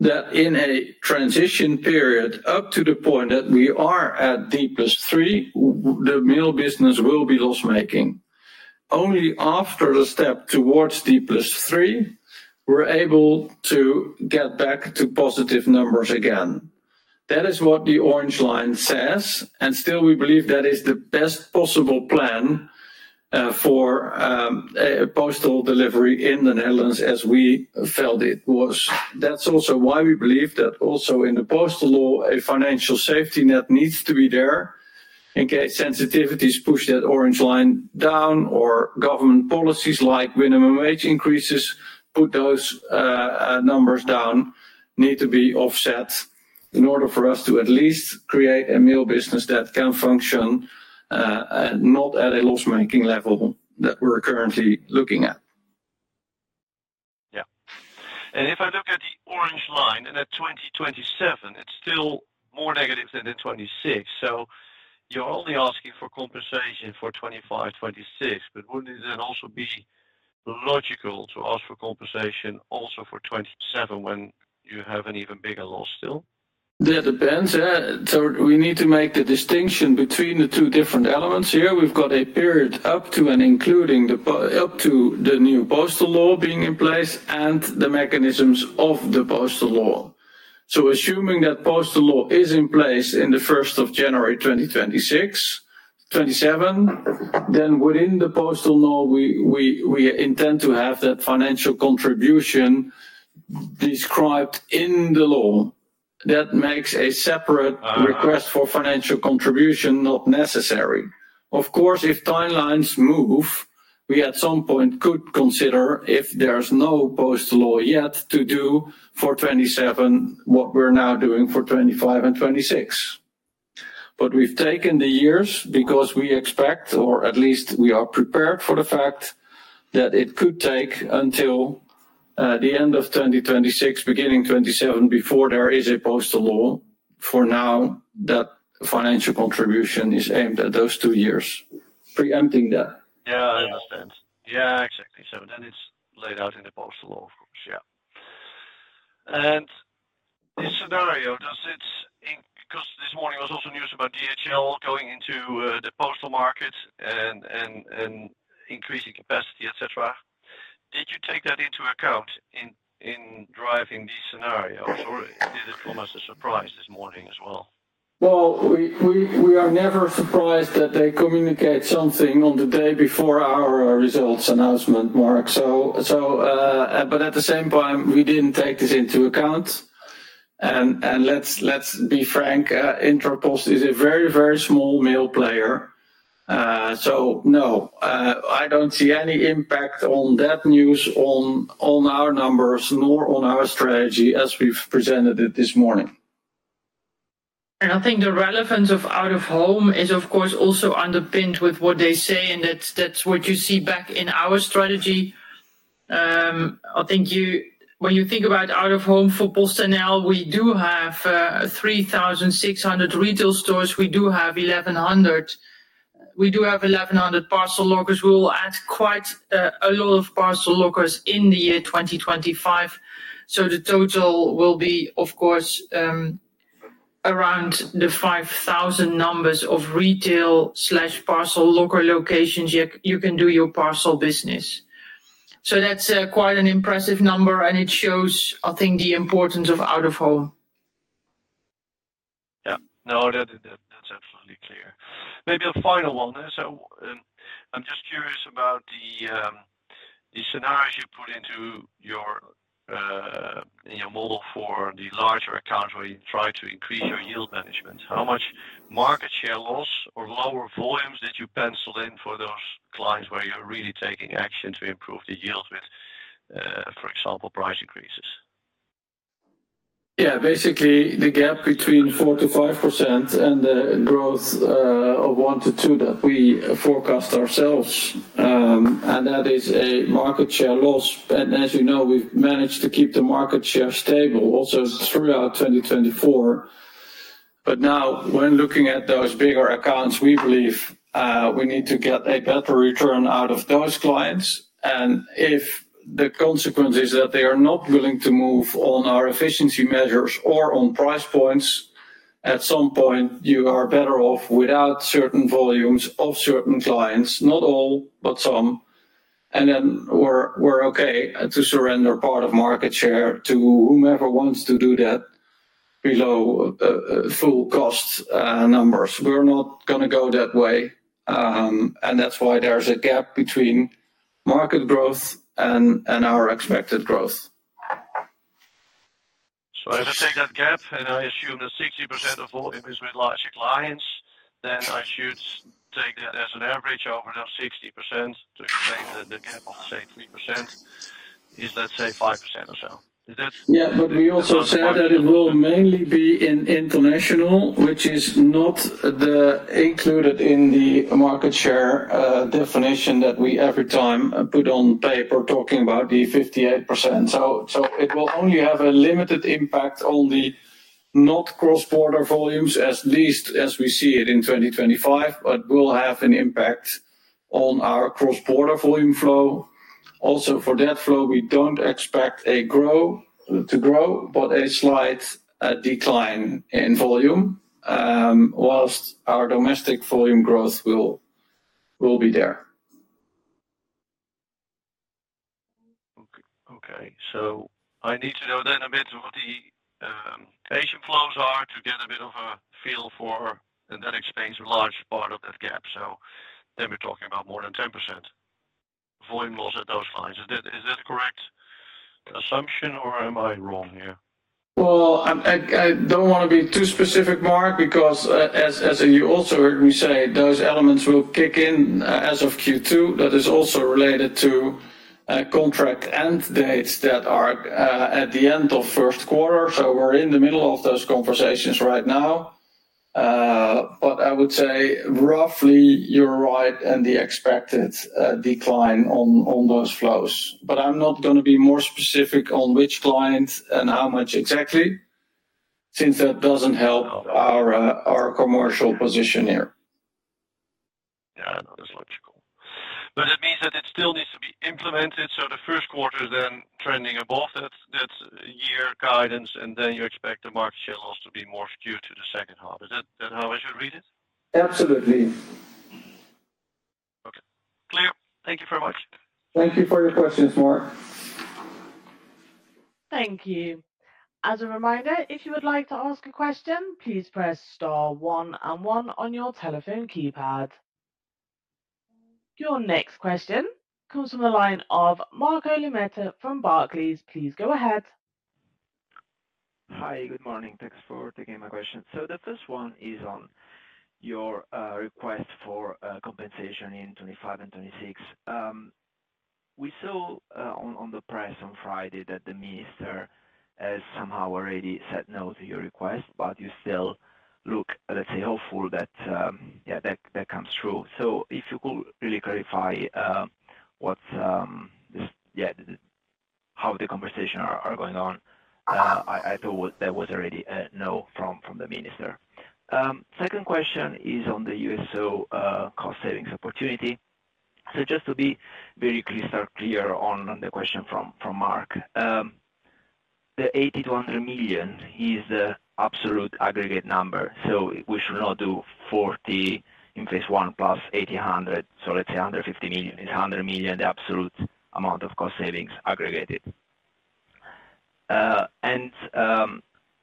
that in a transition period up to the point that we are at D plus three, the mail business will be loss-making. Only after the step towards D plus three, we're able to get back to positive numbers again. That is what the orange line says, and still, we believe that is the best possible plan for postal delivery in the Netherlands as we felt it was. That's also why we believe that also in the postal law, a financial safety net needs to be there in case sensitivities push that orange line down or government policies like minimum wage increases put those numbers down need to be offset in order for us to at least create a mail business that can function and not at a loss-making level that we're currently looking at. Yeah. And if I look at the orange line and at 2027, it's still more negative than in 2026. So you're only asking for compensation for 2025, 2026, but wouldn't it then also be logical to ask for compensation also for 2027 when you have an even bigger loss still? That depends. So we need to make the distinction between the two different elements here. We've got a period up to and including the new postal law being in place and the mechanisms of the postal law. So assuming that postal law is in place on the 1st of January 2026, 2027, then within the postal law, we intend to have that financial contribution described in the law. That makes a separate request for financial contribution not necessary. Of course, if timelines move, we at some point could consider if there's no postal law yet to do for 2027 what we're now doing for 2025 and 2026. But we've taken the years because we expect, or at least we are prepared for the fact that it could take until the end of 2026, beginning 2027 before there is a postal law. For now, that financial contribution is aimed at those two years. Preempting that. Yeah, I understand. Yeah, exactly. Then it's laid out in the postal law, of course. Yeah. This scenario, does it, because this morning was also news about DHL going into the postal market and increasing capacity, etc., did you take that into account in driving these scenarios or did it come as a surprise this morning as well? We are never surprised that they communicate something on the day before our results announcement, Marc. At the same time, we didn't take this into account. Let's be frank, Intrapost is a very, very small Mail Player. No, I don't see any impact on that news on our numbers nor on our strategy as we've presented it this morning. I think the relevance of Out-of-Home is, of course, also underpinned with what they say, and that's what you see back in our strategy. I think when you think about Out-of-Home for PostNL, we do have 3,600 retail stores. We do have 1,100. We do have 1,100 Parcel Lockers. We will add quite a lot of Parcel Lockers in the year 2025. So the total will be, of course, around the 5,000 numbers of retail/parcel locker locations you can do your parcel business. So that's quite an impressive number, and it shows, I think, the importance of Out-of-Home. Yeah. No, that's absolutely clear. Maybe a final one. So I'm just curious about the scenarios you put into your model for the larger accounts where you try to increase your yield management. How much market share loss or lower volumes did you pencil in for those clients where you're really taking action to improve the yield with, for example, price increases? Yeah, basically the gap between 4%-5% and the growth of One to Two that we forecast ourselves. And that is a market share loss. And as you know, we've managed to keep the market share stable also throughout 2024. But now, when looking at those bigger accounts, we believe we need to get a better return out of those clients. And if the consequence is that they are not willing to move on our efficiency measures or on price points, at some point, you are better off without certain volumes of certain clients, not all, but some. And then we're okay to surrender part of market share to whomever wants to do that below full cost numbers. We're not going to go that way. And that's why there's a gap between market growth and our expected growth. So I just take that gap, and I assume that 60% of volume is with larger clients. Then I should take that as an average over that 60% to explain that the gap of, say, 3% is, let's say, 5% or so. Yeah, but we also said that it will mainly be in international, which is not included in the market share definition that we every time put on paper talking about the 58%. So it will only have a limited impact on the non Cross-Border volumes, at least as we see it in 2025, but will have an impact on our cross-border volume flow. Also, for that flow, we don't expect a growth to growth, but a slight decline in volume, while our domestic volume growth will be there. Okay. I need to know then a bit what the Asian Flows are to get a bit of a feel for, and that explains a large part of that gap. So then we're talking about more than 10% volume loss at those lines. Is that a correct assumption, or am I wrong here? Well, I don't want to be too specific, Marc, because as you also heard me say, those elements will kick in as of Q2. That is also related to contract end dates that are at the end of first quarter. So we're in the middle of those conversations right now. But I would say roughly you're right and the expected decline on those flows. But I'm not going to be more specific on which client and how much exactly, since that doesn't help our commercial position here. Yeah, that's logical. But it means that it still needs to be implemented. So the first quarter is then trending above that year guidance, and then you expect the market share loss to be more skewed to the second half. Is that how I should read it? Absolutely. Okay. Clear. Thank you very much. Thank you for your questions, Marc. Thank you. As a reminder, if you would like to ask a question, please press star one and one on your telephone keypad. Your next question comes from the line of Marco Limite from Barclays. Please go ahead. Hi, good morning. Thanks for taking my question. So the first one is on your request for compensation in 2025 and 2026. We saw on the press on Friday that the minister has somehow already said no to your request, but you still look, let's say, hopeful that that comes true. If you could really clarify what's how the conversations are going on, I thought there was already a no from the minister. Second question is on the USO cost savings opportunity. Just to be very clear on the question from Marc, the 80-100 million is the absolute aggregate number. So we should not do 40 million in Phase I plus 80-100 million. So let's say 150 million is €100 million, the absolute amount of cost savings aggregated. And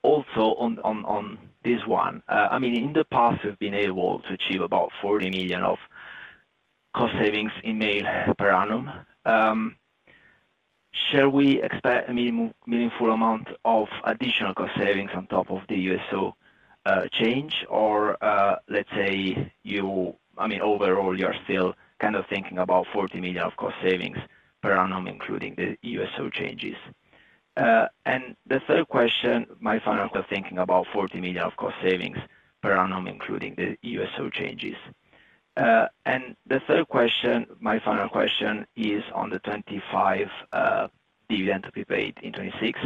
also on this one, I mean, in the past, we've been able to achieve about 40 million of cost savings in Mail per annum. Shall we expect a meaningful amount of additional cost savings on top of the USO change, or let's say, I mean, overall, you're still kind of thinking about 40 million of cost savings per annum, including the USO changes? And the third question, my final. Thinking about 40 million of cost savings per annum, including the USO changes. And the third question, my final question is on the 2025 dividend to be paid in 2026.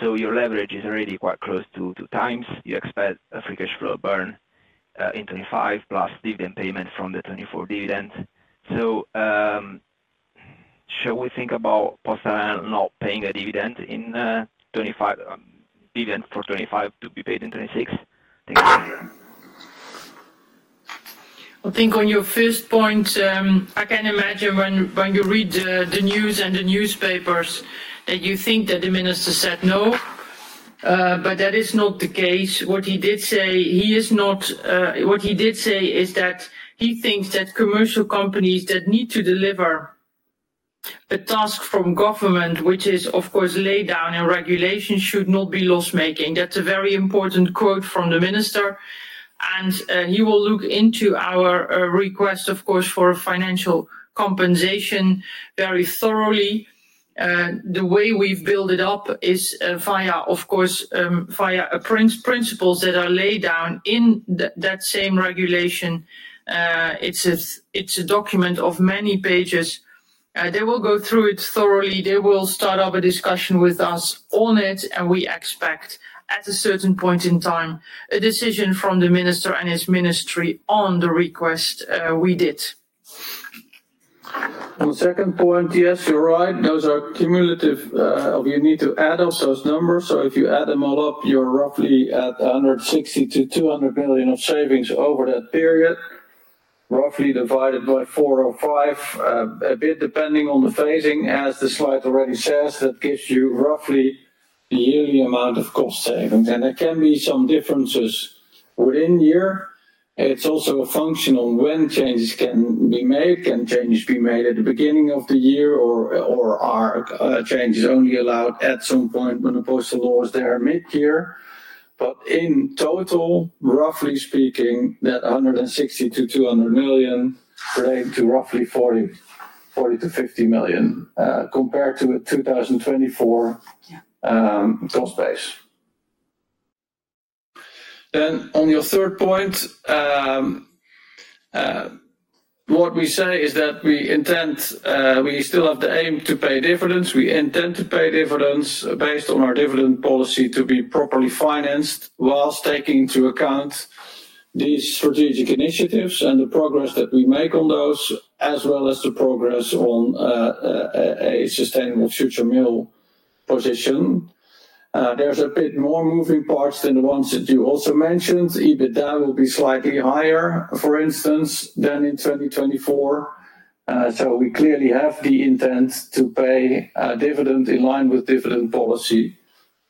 So your leverage is already quite close to times. You expect a Free Cash Flow burn in 2025 plus dividend payment from the 2024 dividend. So shall we think about PostNL not paying a dividend for 2025 to be paid in 2026? I think on your first point, I can imagine when you read the news and the newspapers that you think that the minister said no, but that is not the case. What he did say, he is not what he did say is that he thinks that commercial companies that need to deliver a task from government, which is, of course, laid down in regulation, should not be loss-making. That's a very important quote from the minister, and he will look into our request, of course, for Financial Compensation very thoroughly. The way we've built it up is via, of course, via principles that are laid down in that same regulation. It's a document of many pages. They will go through it thoroughly. They will start up a discussion with us on it, and we expect at a certain point in time a decision from the minister and his Ministry on the request we did. On the second point, yes, you're right. Those are cumulative. We need to add up those numbers. So if you add them all up, you're roughly at 160 million-200 million of savings over that period, roughly divided by 4 to 5, a bit depending on the phasing, as the Slide already says. That gives you roughly the yearly amount of cost savings. There can be some differences within year. It's also functional when changes can be made. Can changes be made at the beginning of the year, or are changes only allowed at some point when the postal law is there mid-year? In total, roughly speaking, that 160-200 million relate to roughly 40-50 million compared to a 2024 cost base. On your third point, what we say is that we intend, we still have the aim to pay dividends. We intend to pay dividends based on our dividend policy to be properly financed whilst taking into account these strategic initiatives and the progress that we make on those, as well as the progress on a sustainable future mail position. There's a bit more moving parts than the ones that you also mentioned. EBITDA will be slightly higher, for instance, than in 2024. So we clearly have the intent to pay dividend in line with dividend policy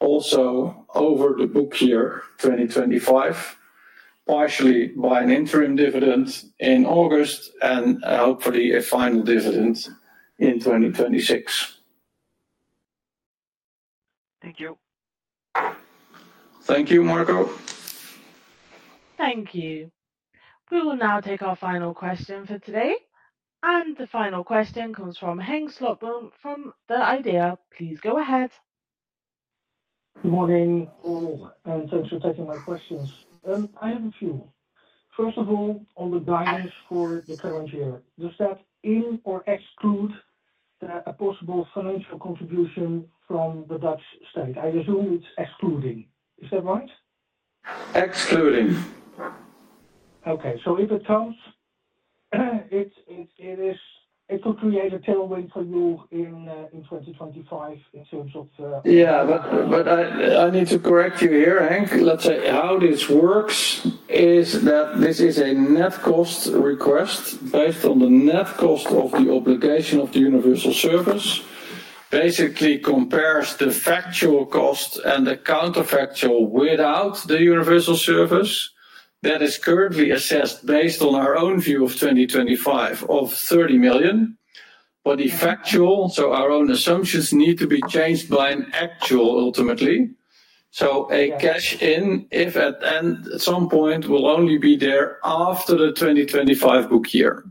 also over the book year, 2025, partially by an interim dividend in August and hopefully a final dividend in 2026. Thank you. Thank you, Marco. Thank you. We will now take our final question for today. And the final question comes from Henk Slotboom from the IDEA!. Please go ahead. Good morning. And thanks for taking my questions. I have a few. First of all, on the guidance for the current year, does that include or exclude a possible financial contribution from the Dutch State? I assume it's excluding. Is that right? Excluding. Okay. So if it comes, it will create a tailwind for you in 2025 in terms of. Yeah, but I need to correct you here, Henk. Let's say how this works is that this is a net cost request based on the Net Cost of the Obligation of the Universal Service, basically compares the factual cost and the counterfactual without the Universal Service that is currently assessed based on our own view of 2025 of 30 million. But the factual, so our own assumptions need to be changed by an actual ultimately. So a cash in, if at some point, will only be there after the 2025 book year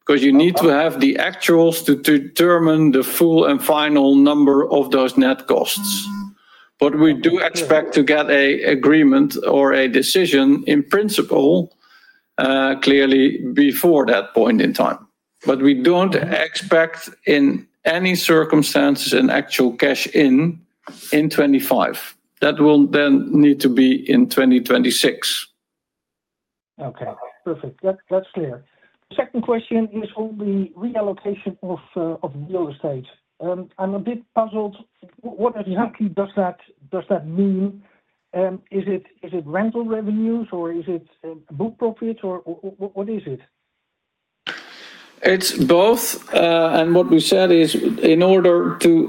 because you need to have the actuals to determine the full and final number of those Net Costs. But we do expect to get an agreement or a decision in principle clearly before that point in time. But we don't expect in any circumstances an actual cash in in 2025. That will then need to be in 2026. Okay. Perfect. That's clear. Second question is on the reallocation of real rstate. I'm a bit puzzled. What exactly does that mean? Is it rental revenues or is it book profits or what is it? It's both. And what we said is in order to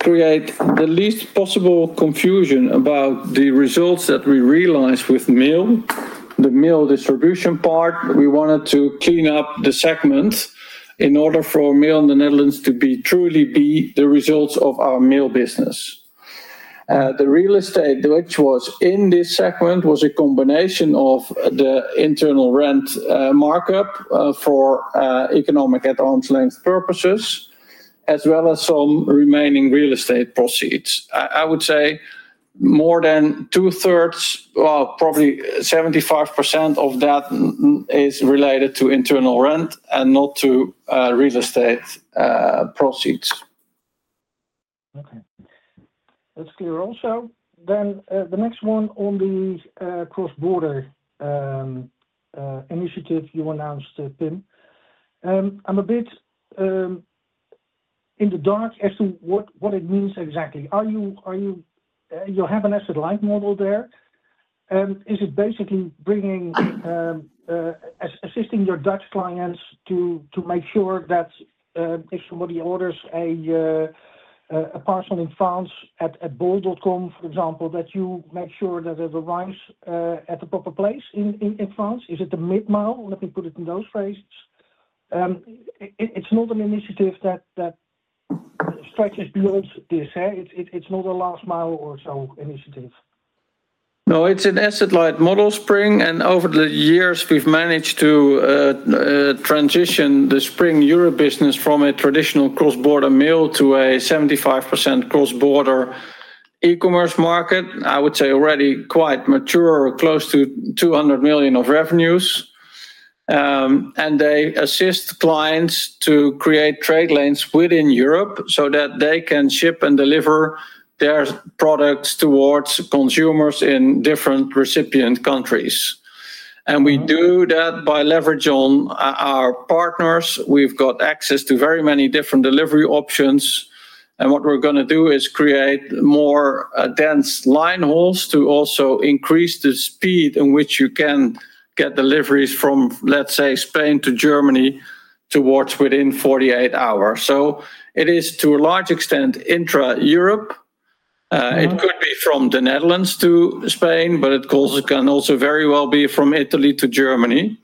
create the least possible confusion about the results that we realize with Mail, the Mail Distribution Part, we wanted to clean up the segments in order for Mail in the Netherlands to truly be the results of our mail business. The Real Estate, which was in this segment, was a combination of the internal rent markup for economic ownership purposes, as well as some remaining real estate proceeds. I would say more than two-thirds, well, probably 75% of that is related to internal rent and not to real estate proceeds. Okay. That's clear also. Then the next one on the cross-border initiative you announced, Pim. I'm a bit in the dark as to what it means exactly. You have an Asset-Light Model there. Is it basically assisting your Dutch clients to make sure that if somebody orders a parcel in France at bol.com, for example, that you make sure that it arrives at the proper place in France? Is it a Mid-Mile? Let me put it in those phrases. It's not an initiative that stretches beyond this. It's not a Last Mile or so Initiative. No, it's an Asset-Light Model Spring. And over the years, we've managed to transition the Spring Europe Business from a traditional Cross-Border Mail to a 75% Cross-Border e-commerce market. I would say already quite mature, close to 200 million of revenues. And they assist clients to create trade lanes within Europe so that they can ship and deliver their products towards consumers in different recipient countries. We do that by leveraging our partners. We've got access to very many different Delivery Options. What we're going to do is create more dense line hauls to also increase the speed in which you can get deliveries from, let's say, Spain to Germany to within 48 hours. It is to a large extent Intra-Europe. It could be from the Netherlands to Spain, but it can also very well be from Italy to Germany.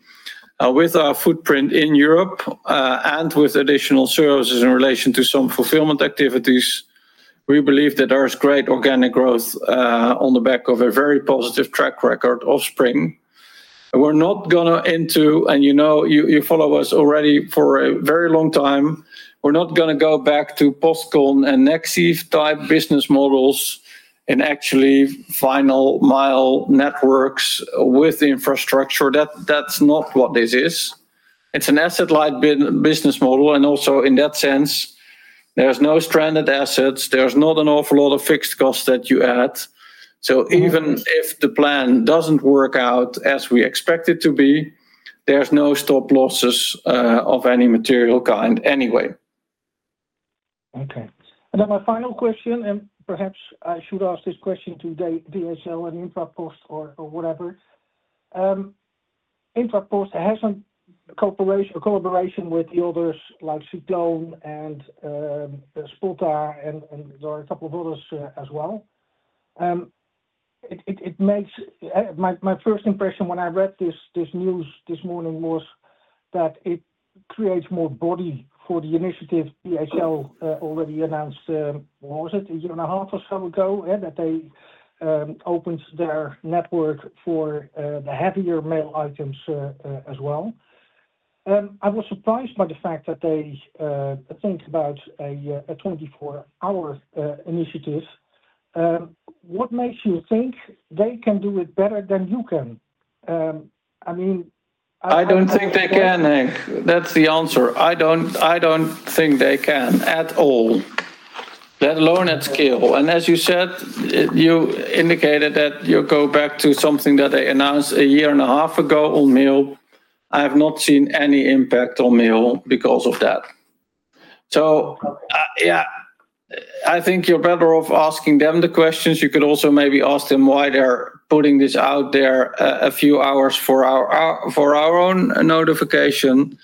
With our footprint in Europe and with additional services in relation to some fulfillment activities, we believe that there is great organic growth on the back of a very positive track record of Spring. We're not going to go into, and you follow us already for a very long time, we're not going to go back to Postcon and Nexive-Type Business Models and actually Last Mile Networks with infrastructure. That's not what this is. It's an asset-light business model. And also in that sense, there's no stranded assets. There's not an awful lot of fixed costs that you add. So even if the plan doesn't work out as we expect it to be, there's no stop losses of any material kind anyway. Okay. And then my final question, and perhaps I should ask this question to DHL and Intrapost or whatever. Intrapost has a collaboration with the others like Cycloon and Spotta and there are a couple of others as well. My first impression when I read this news this morning was that it creates more body for the initiative DHL already announced, what was it, a year and a half or so ago, that they opened their network for the heavier Mail items as well. I was surprised by the fact that they think about a 24-Hour Initiative. What makes you think they can do it better than you can? I mean. I don't think they can, Henk. That's the answer. I don't think they can at all, let alone at scale. And as you said, you indicated that you go back to something that they announced a year and a half ago on Mail. I have not seen any impact on Mail because of that. So yeah, I think you're better off asking them the questions. You could also maybe ask them why they're putting this out there a few hours for our own notification.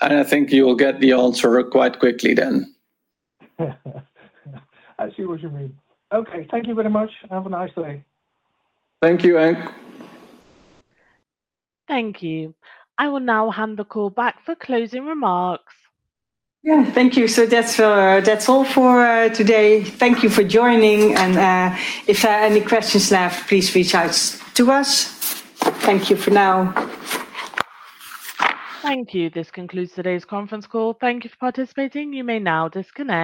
And I think you'll get the answer quite quickly then. I see what you mean. Okay. Thank you very much. Have a nice day. Thank you, Henk. Thank you. I will now hand the call back for closing remarks. Yeah. Thank you. So that's all for today. Thank you for joining. If there are any questions left, please reach out to us. Thank you for now. Thank you. This concludes today's conference call. Thank you for participating. You may now disconnect.